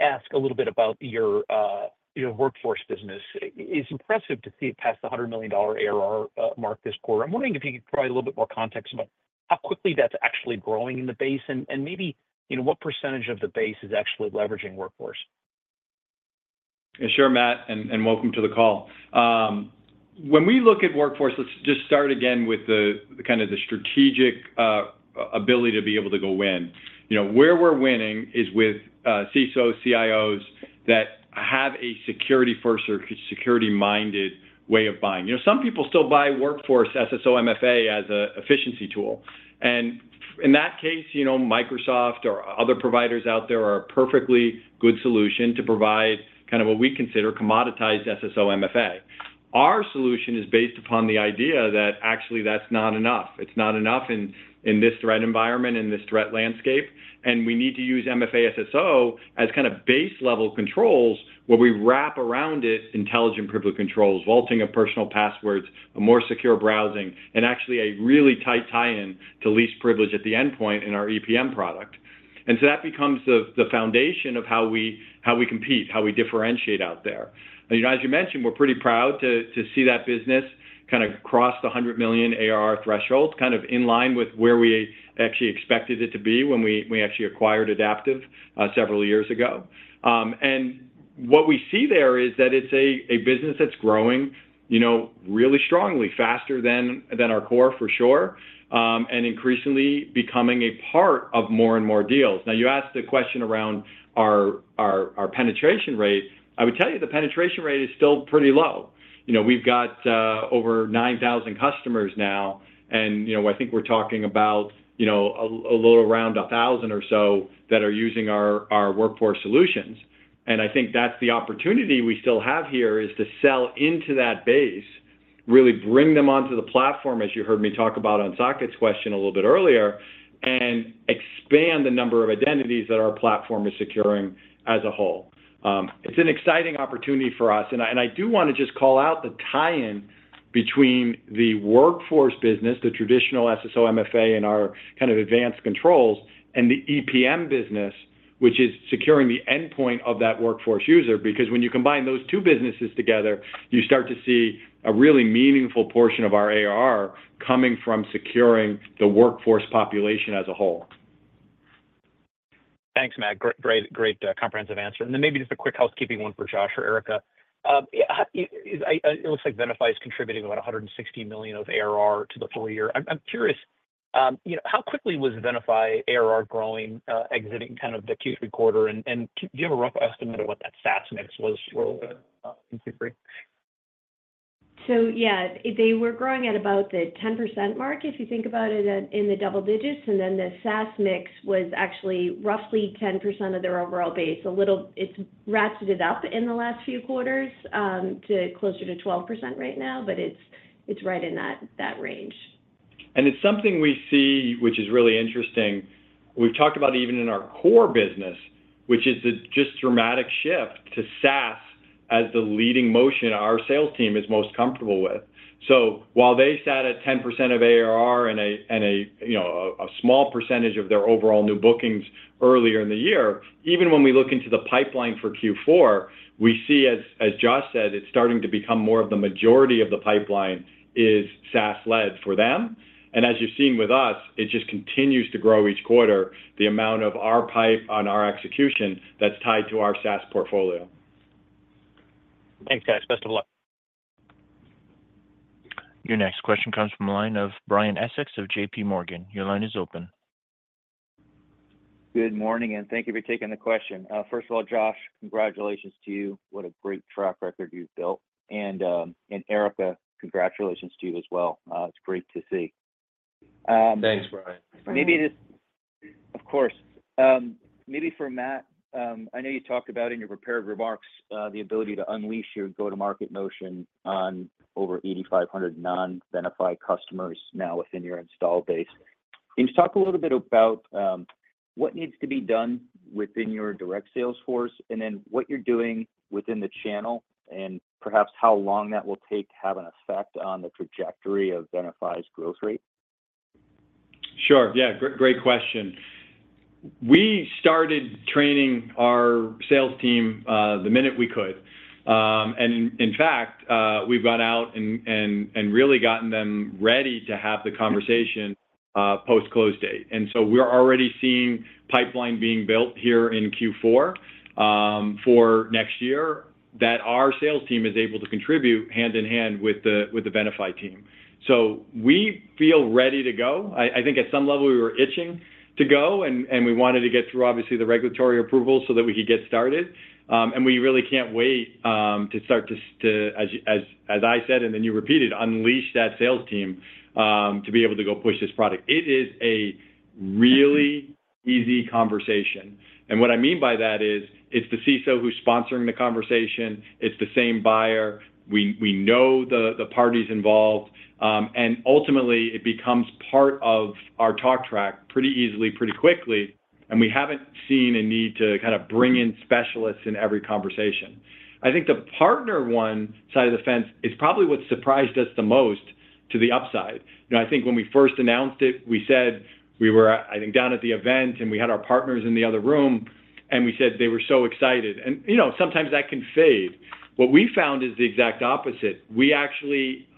ask a little bit about your workforce business. It's impressive to see it pass the $100 million ARR mark this quarter. I'm wondering if you could provide a little bit more context about how quickly that's actually growing in the base and maybe what percentage of the base is actually leveraging workforce. Sure, Matt, and welcome to the call. When we look at workforce, let's just start again with kind of the strategic ability to be able to go win. Where we're winning is with CISOs, CIOs that have a security-first or security-minded way of buying. Some people still buy workforce SSO/MFA as an efficiency tool. And in that case, Microsoft or other providers out there are a perfectly good solution to provide kind of what we consider commoditized SSO/MFA. Our solution is based upon the idea that actually that's not enough. It's not enough in this threat environment, in this threat landscape. And we need to use MFA SSO as kind of base-level controls where we wrap around it intelligent privilege controls, vaulting of personal passwords, a more secure browsing, and actually a really tight tie-in to least privilege at the endpoint in our EPM product. That becomes the foundation of how we compete, how we differentiate out there. As you mentioned, we're pretty proud to see that business kind of cross the $100 million ARR threshold, kind of in line with where we actually expected it to be when we actually acquired Idaptive several years ago. What we see there is that it's a business that's growing really strongly, faster than our core, for sure, and increasingly becoming a part of more and more deals. Now, you asked the question around our penetration rate. I would tell you the penetration rate is still pretty low. We've got over 9,000 customers now, and I think we're talking about a little around 1,000 or so that are using our workforce solutions. I think that's the opportunity we still have here is to sell into that base, really bring them onto the platform, as you heard me talk about on Saket's question a little bit earlier, and expand the number of identities that our platform is securing as a whole. It's an exciting opportunity for us. And I do want to just call out the tie-in between the workforce business, the traditional SSO/MFA and our kind of advanced controls, and the EPM business, which is securing the endpoint of that workforce user. Because when you combine those two businesses together, you start to see a really meaningful portion of our ARR coming from securing the workforce population as a whole. Thanks, Matt. Great comprehensive answer. And then maybe just a quick housekeeping one for Josh or Erica. It looks like Venafi is contributing about $160 million of ARR to the full year. I'm curious, how quickly was Venafi ARR growing, exiting kind of the Q3 quarter? And do you have a rough estimate of what that SaaS mix was in Q3? Yeah, they were growing at about the 10% mark, if you think about it in the double digits. Then the SaaS mix was actually roughly 10% of their overall base. It's ratcheted up in the last few quarters to closer to 12% right now, but it's right in that range. It's something we see, which is really interesting. We've talked about even in our core business, which is just a dramatic shift to SaaS as the leading motion our sales team is most comfortable with. While they sat at 10% of ARR and a small percentage of their overall new bookings earlier in the year, even when we look into the pipeline for Q4, we see, as Josh said, it's starting to become more of the majority of the pipeline is SaaS-led for them. As you've seen with us, it just continues to grow each quarter, the amount of our pipe on our execution that's tied to our SaaS portfolio. Thanks, guys. Best of luck. Your next question comes from the line of Brian Essex of JPMorgan. Your line is open. Good morning, and thank you for taking the question. First of all, Josh, congratulations to you. What a great track record you've built. And Erica, congratulations to you as well. It's great to see. Thanks, Brian. Of course. Maybe for Matt, I know you talked about in your prepared remarks the ability to unleash your go-to-market motion on over 8,500 non-Venafi customers now within your install base. Can you talk a little bit about what needs to be done within your direct sales force and then what you're doing within the channel and perhaps how long that will take to have an effect on the trajectory of Venafi's growth rate? Sure. Yeah, great question. We started training our sales team the minute we could. And in fact, we've gone out and really gotten them ready to have the conversation post-close date. And so we're already seeing pipeline being built here in Q4 for next year that our sales team is able to contribute hand in hand with the Venafi team. So we feel ready to go. I think at some level we were itching to go, and we wanted to get through, obviously, the regulatory approvals so that we could get started. And we really can't wait to start to, as I said, and then you repeated, unleash that sales team to be able to go push this product. It is a really easy conversation. And what I mean by that is it's the CISO who's sponsoring the conversation. It's the same buyer. We know the parties involved. Ultimately, it becomes part of our talk track pretty easily, pretty quickly. We haven't seen a need to kind of bring in specialists in every conversation. I think the partner one side of the fence is probably what surprised us the most to the upside. I think when we first announced it, we said we were, I think, down at the event, and we had our partners in the other room, and we said they were so excited. Sometimes that can fade. What we found is the exact opposite. We actually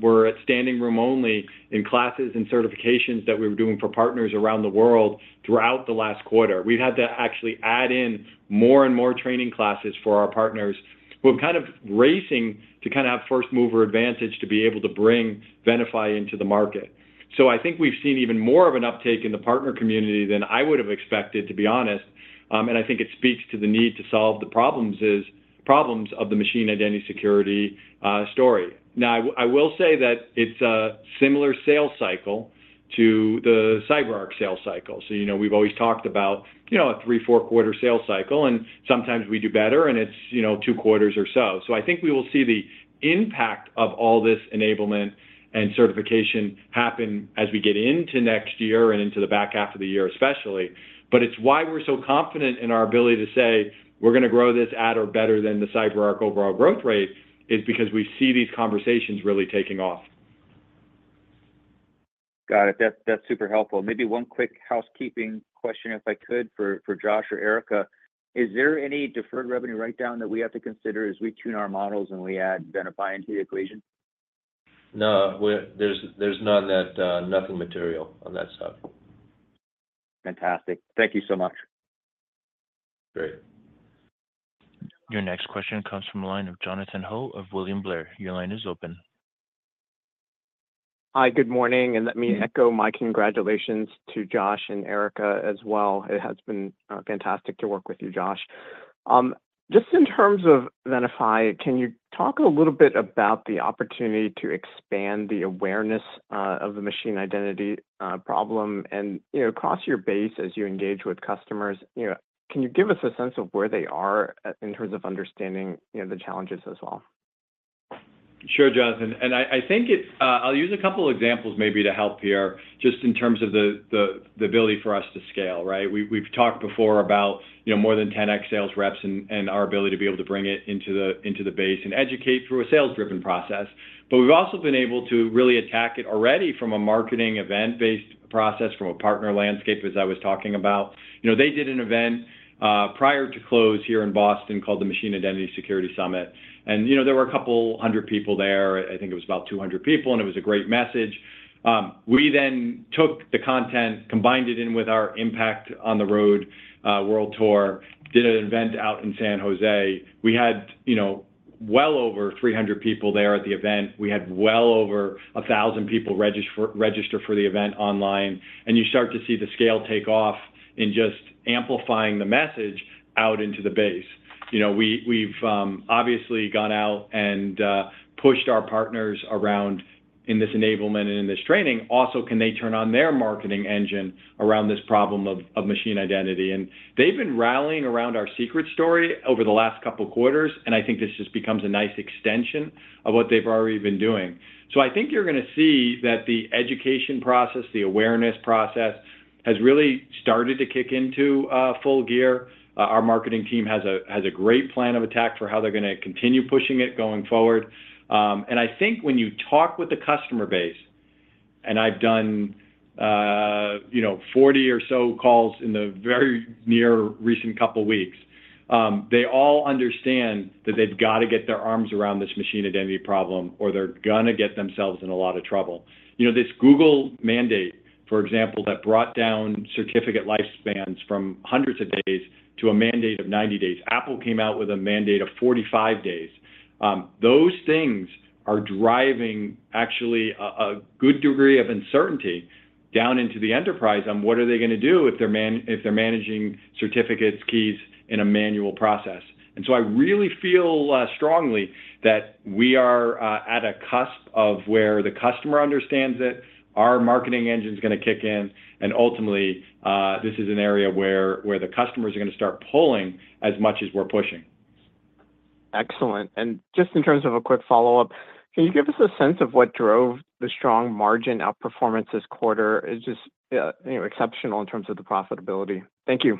were at standing room only in classes and certifications that we were doing for partners around the world throughout the last quarter. We've had to actually add in more and more training classes for our partners who are kind of racing to kind of have first-mover advantage to be able to bring Venafi into the market. So I think we've seen even more of an uptake in the partner community than I would have expected, to be honest. And I think it speaks to the need to solve the problems of the Machine Identity Security story. Now, I will say that it's a similar sales cycle to the CyberArk sales cycle. So we've always talked about a three, four-quarter sales cycle, and sometimes we do better, and it's two quarters or so. So I think we will see the impact of all this enablement and certification happen as we get into next year and into the back half of the year, especially. But it's why we're so confident in our ability to say we're going to grow this at or better than the CyberArk overall growth rate is because we see these conversations really taking off. Got it. That's super helpful. Maybe one quick housekeeping question, if I could, for Josh or Erica. Is there any deferred revenue write-down that we have to consider as we tune our models and we add Venafi into the equation? No, there's nothing material on that stuff. Fantastic. Thank you so much. Great. Your next question comes from the line of Jonathan Ho of William Blair. Your line is open. Hi, good morning, and let me echo my congratulations to Josh and Erica as well. It has been fantastic to work with you, Josh. Just in terms of Venafi, can you talk a little bit about the opportunity to expand the awareness of the machine identity problem? And across your base, as you engage with customers, can you give us a sense of where they are in terms of understanding the challenges as well? Sure, Jonathan, and I think I'll use a couple of examples maybe to help here just in terms of the ability for us to scale, right? We've talked before about more than 10x sales reps and our ability to be able to bring it into the base and educate through a sales-driven process, but we've also been able to really attack it already from a marketing event-based process, from a partner landscape, as I was talking about. They did an event prior to close here in Boston called the Machine Identity Security Summit. And there were a couple hundred people there. I think it was about 200 people, and it was a great message. We then took the content, combined it in with our Impact on the Road world tour, did an event out in San Jose. We had well over 300 people there at the event. We had well over 1,000 people register for the event online. And you start to see the scale take off in just amplifying the message out into the base. We've obviously gone out and pushed our partners around in this enablement and in this training. Also, can they turn on their marketing engine around this problem of machine identity? And they've been rallying around our Secrets story over the last couple of quarters. And I think this just becomes a nice extension of what they've already been doing. So I think you're going to see that the education process, the awareness process has really started to kick into full gear. Our marketing team has a great plan of attack for how they're going to continue pushing it going forward. I think when you talk with the customer base, and I've done 40 or so calls in the very near recent couple of weeks, they all understand that they've got to get their arms around this machine identity problem or they're going to get themselves in a lot of trouble. This Google mandate, for example, that brought down certificate lifespans from hundreds of days to a mandate of 90 days. Apple came out with a mandate of 45 days. Those things are driving actually a good degree of uncertainty down into the enterprise on what are they going to do if they're managing certificates, keys in a manual process. I really feel strongly that we are at a cusp of where the customer understands it. Our marketing engine is going to kick in. Ultimately, this is an area where the customers are going to start pulling as much as we're pushing. Excellent. And just in terms of a quick follow-up, can you give us a sense of what drove the strong margin outperformance this quarter? It's just exceptional in terms of the profitability. Thank you.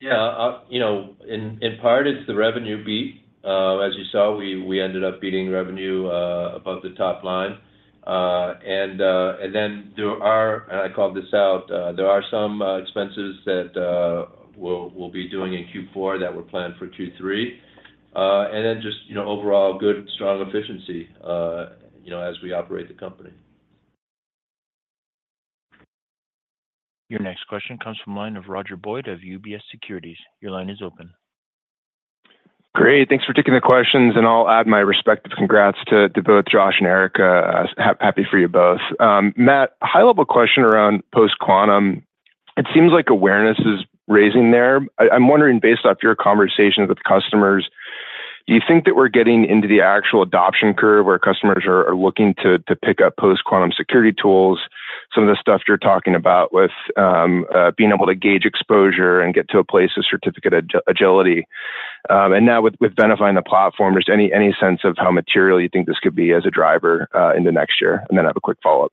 Yeah. In part, it's the revenue beat. As you saw, we ended up beating revenue above the top line. And then there are, and I called this out, there are some expenses that we'll be doing in Q4 that were planned for Q3. And then just overall good, strong efficiency as we operate the company. Your next question comes from the line of Roger Boyd of UBS Securities. Your line is open. Great. Thanks for taking the questions. And I'll add my respective congrats to both Josh and Erica. Happy for you both. Matt, high-level question around post-quantum. It seems like awareness is rising there. I'm wondering, based off your conversations with customers, do you think that we're getting into the actual adoption curve where customers are looking to pick up post-quantum security tools, some of the stuff you're talking about with being able to gauge exposure and get to a place of certificate agility? And now with Venafi and the platform, just any sense of how material you think this could be as a driver in the next year? And then I have a quick follow-up.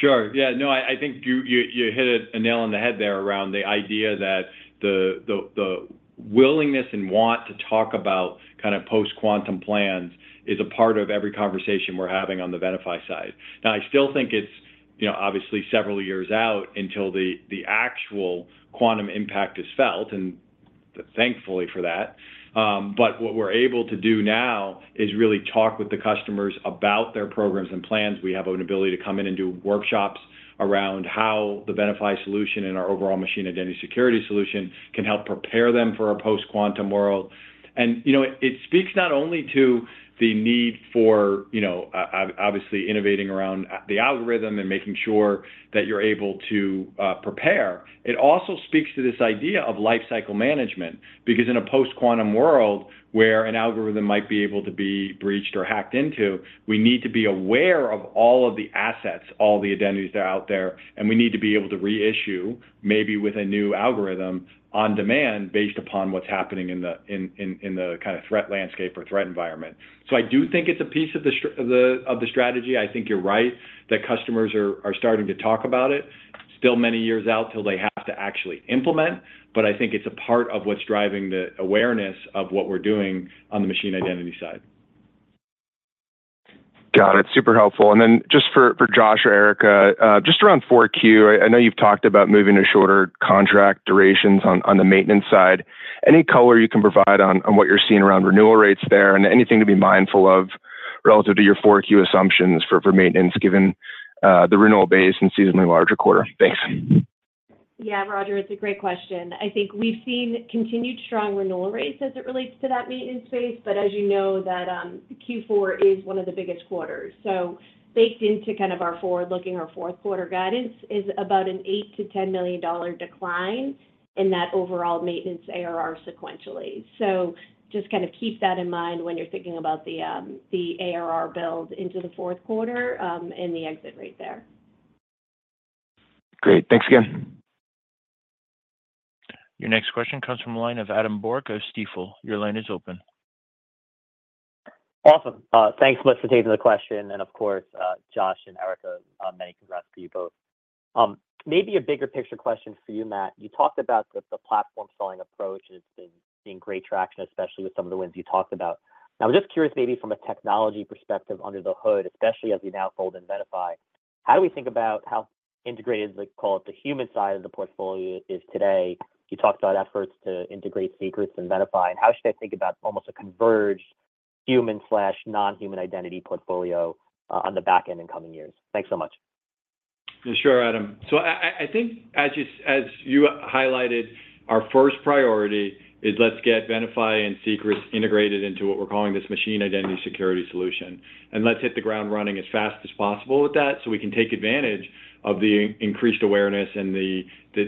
Sure. Yeah. No, I think you hit it a nail in the head there around the idea that the willingness and want to talk about kind of post-quantum plans is a part of every conversation we're having on the Venafi side. Now, I still think it's obviously several years out until the actual quantum impact is felt, and thankfully for that. But what we're able to do now is really talk with the customers about their programs and plans. We have an ability to come in and do workshops around how the Venafi solution and our overall Machine Identity Security solution can help prepare them for a post-quantum world, and it speaks not only to the need for, obviously, innovating around the algorithm and making sure that you're able to prepare. It also speaks to this idea of lifecycle management because in a post-quantum world where an algorithm might be able to be breached or hacked into, we need to be aware of all of the assets, all the identities that are out there, and we need to be able to reissue maybe with a new algorithm on demand based upon what's happening in the kind of threat landscape or threat environment. So I do think it's a piece of the strategy. I think you're right that customers are starting to talk about it. Still many years out until they have to actually implement, but I think it's a part of what's driving the awareness of what we're doing on the machine identity side. Got it. Super helpful. And then just for Josh or Erica, just around 4Q, I know you've talked about moving to shorter contract durations on the maintenance side. Any color you can provide on what you're seeing around renewal rates there and anything to be mindful of relative to your 4Q assumptions for maintenance given the renewal base and seasonally larger quarter? Thanks. Yeah, Roger, it's a great question. I think we've seen continued strong renewal rates as it relates to that maintenance space, but as you know, Q4 is one of the biggest quarters. So baked into kind of our forward-looking or fourth quarter guidance is about an $8 million-$10 million decline in that overall maintenance ARR sequentially. So just kind of keep that in mind when you're thinking about the ARR build into the fourth quarter and the exit rate there. Great. Thanks again. Your next question comes from the line of Adam Borg of Stifel. Your line is open. Awesome. Thanks much for taking the question. And of course, Josh and Erica, many congrats to you both. Maybe a bigger picture question for you, Matt. You talked about the platform selling approach, and it's been getting great traction, especially with some of the wins you talked about. I'm just curious maybe from a technology perspective under the hood, especially as we now fold in Venafi, how do we think about how integrated, call it the human side of the portfolio is today? You talked about efforts to integrate Secrets in Venafi. And how should I think about almost a converged human/non-human identity portfolio on the back end in coming years? Thanks so much. Sure, Adam. So I think as you highlighted, our first priority is let's get Venafi and Secrets integrated into what we're calling this Machine Identity Security solution. And let's hit the ground running as fast as possible with that so we can take advantage of the increased awareness and the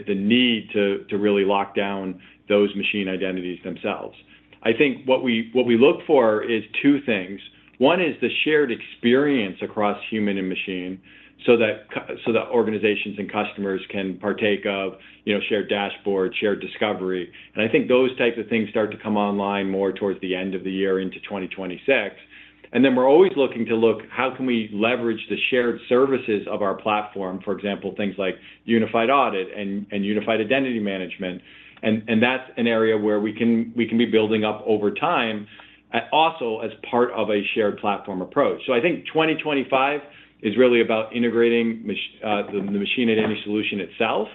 need to really lock down those machine identities themselves. I think what we look for is two things. One is the shared experience across human and machine so that organizations and customers can partake of shared dashboards, shared discovery. And I think those types of things start to come online more towards the end of the year into 2026. And then we're always looking to look at how can we leverage the shared services of our platform, for example, things like unified audit and unified identity management. And that's an area where we can be building up over time also as part of a shared platform approach. So I think 2025 is really about integrating the Machine Identity Solution itself.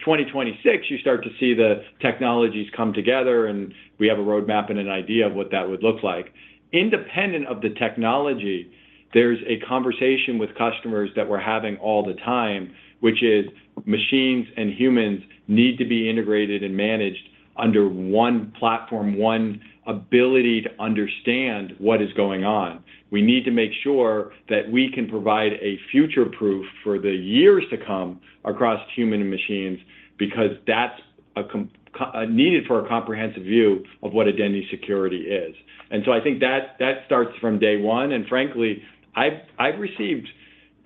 2026, you start to see the technologies come together, and we have a roadmap and an idea of what that would look like. Independent of the technology, there's a conversation with customers that we're having all the time, which is machines and humans need to be integrated and managed under one platform, one ability to understand what is going on. We need to make sure that we can provide a future proof for the years to come across human and machines because that's needed for a comprehensive view of what Identity Security is. And so I think that starts from day one. Frankly, I've received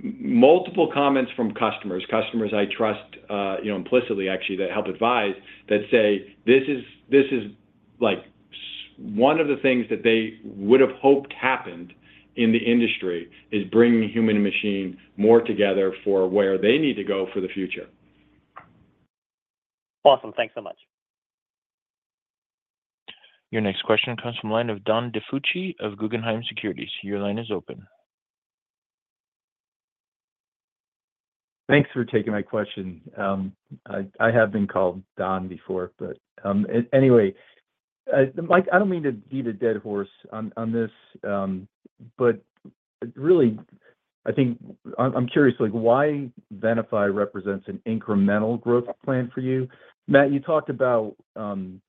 multiple comments from customers, customers I trust implicitly, actually, that help advise that say, "This is one of the things that they would have hoped happened in the industry is bringing human and machine more together for where they need to go for the future. Awesome. Thanks so much. Your next question comes from the line of John DiFucci of Guggenheim Securities. Your line is open. Thanks for taking my question. I have been called Don before, but anyway, I don't mean to beat a dead horse on this, but really, I think I'm curious why Venafi represents an incremental growth plan for you. Matt, you talked about the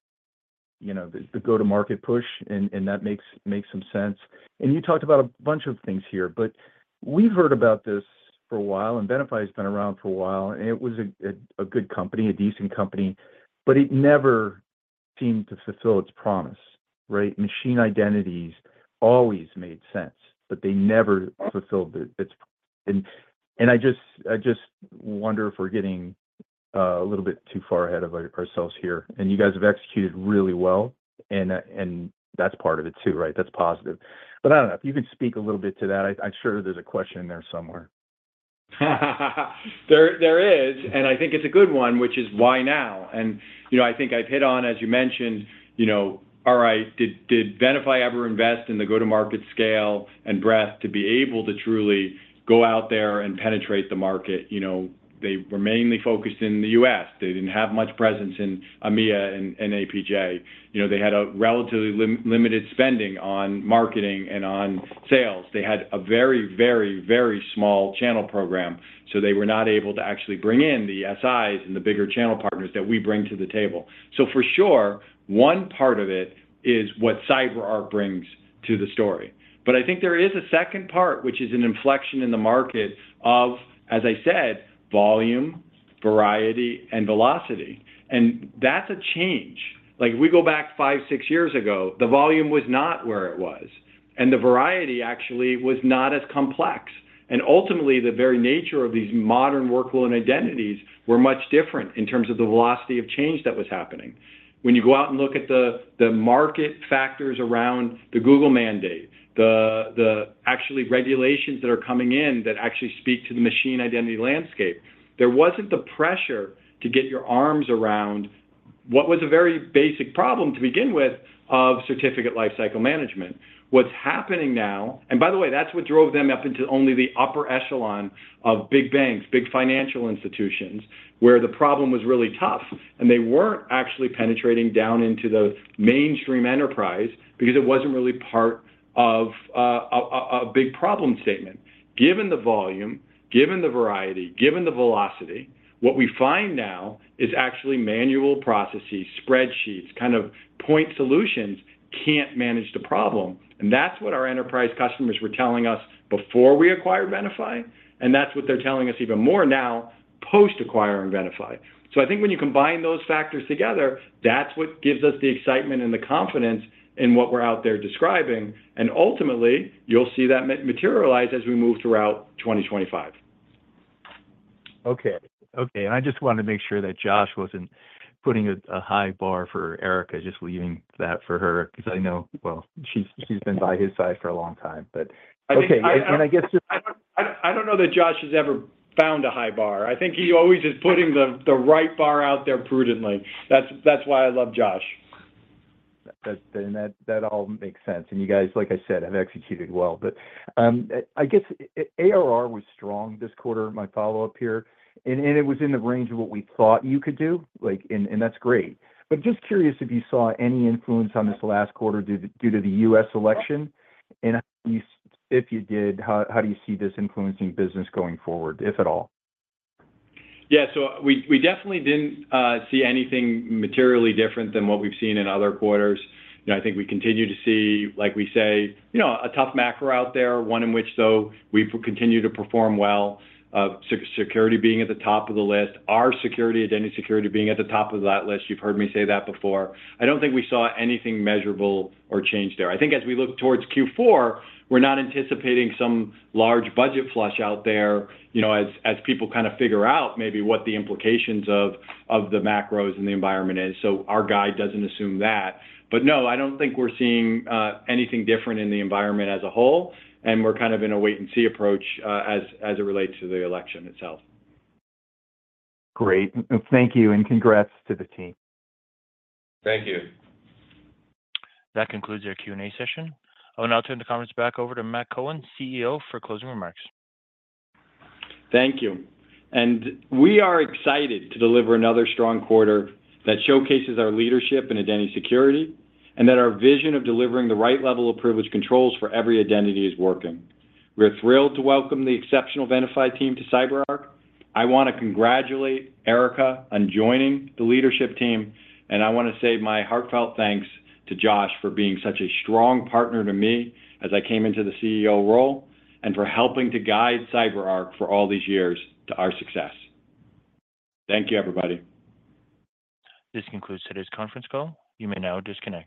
go-to-market push, and that makes some sense. And you talked about a bunch of things here, but we've heard about this for a while, and Venafi has been around for a while. And it was a good company, a decent company, but it never seemed to fulfill its promise, right? machine identities always made sense, but they never fulfilled it. And I just wonder if we're getting a little bit too far ahead of ourselves here. And you guys have executed really well, and that's part of it too, right? That's positive. But I don't know if you can speak a little bit to that. I'm sure there's a question there somewhere. There is, and I think it's a good one, which is why now? And I think I've hit on, as you mentioned, "All right, did Venafi ever invest in the go-to-market scale and breadth to be able to truly go out there and penetrate the market?" They were mainly focused in the U.S. They didn't have much presence in EMEA and APJ. They had a relatively limited spending on marketing and on sales. They had a very, very, very small channel program, so they were not able to actually bring in the SIs and the bigger channel partners that we bring to the table. So for sure, one part of it is what CyberArk brings to the story. But I think there is a second part, which is an inflection in the market of, as I said, volume, variety, and velocity. And that's a change. If we go back five, six years ago, the volume was not where it was, and the variety actually was not as complex, and ultimately, the very nature of these modern workload identities were much different in terms of the velocity of change that was happening. When you go out and look at the market factors around the Google mandate, the actual regulations that are coming in that actually speak to the machine identity landscape, there wasn't the pressure to get your arms around what was a very basic problem to begin with of certificate lifecycle management. What's happening now, and by the way, that's what drove them up into only the upper echelon of big banks, big financial institutions, where the problem was really tough, and they weren't actually penetrating down into the mainstream enterprise because it wasn't really part of a big problem statement. Given the volume, given the variety, given the velocity, what we find now is actually manual processes, spreadsheets, kind of point solutions can't manage the problem. And that's what our enterprise customers were telling us before we acquired Venafi, and that's what they're telling us even more now post-acquiring Venafi. So I think when you combine those factors together, that's what gives us the excitement and the confidence in what we're out there describing. And ultimately, you'll see that materialize as we move throughout 2025. Okay. Okay, and I just wanted to make sure that Josh wasn't putting a high bar for Erica, just leaving that for her because I know, well, she's been by his side for a long time. But okay, and I guess. I don't know that Josh has ever found a high bar. I think he always is putting the right bar out there prudently. That's why I love Josh. That all makes sense. And you guys, like I said, have executed well. But I guess ARR was strong this quarter, my follow-up here, and it was in the range of what we thought you could do, and that's great. But I'm just curious if you saw any influence on this last quarter due to the U.S. election. And if you did, how do you see this influencing business going forward, if at all? Yeah. So we definitely didn't see anything materially different than what we've seen in other quarters. I think we continue to see, like we say, a tough macro out there, one in which, though, we've continued to perform well, security being at the top of the list, our security Identity Security being at the top of that list. You've heard me say that before. I don't think we saw anything measurable or change there. I think as we look towards Q4, we're not anticipating some large budget flush out there as people kind of figure out maybe what the implications of the macros and the environment is. So our guide doesn't assume that. But no, I don't think we're seeing anything different in the environment as a whole, and we're kind of in a wait-and-see approach as it relates to the election itself. Great. Thank you, and congrats to the team. Thank you. That concludes our Q&A session. I'll now turn the conference back over to Matt Cohen, CEO, for closing remarks. Thank you, and we are excited to deliver another strong quarter that showcases our leadership in Identity Security and that our vision of delivering the right level of privilege controls for every identity is working. We are thrilled to welcome the exceptional Venafi team to CyberArk. I want to congratulate Erica on joining the leadership team, and I want to say my heartfelt thanks to Josh for being such a strong partner to me as I came into the CEO role and for helping to guide CyberArk for all these years to our success. Thank you, everybody. This concludes today's conference call. You may now disconnect.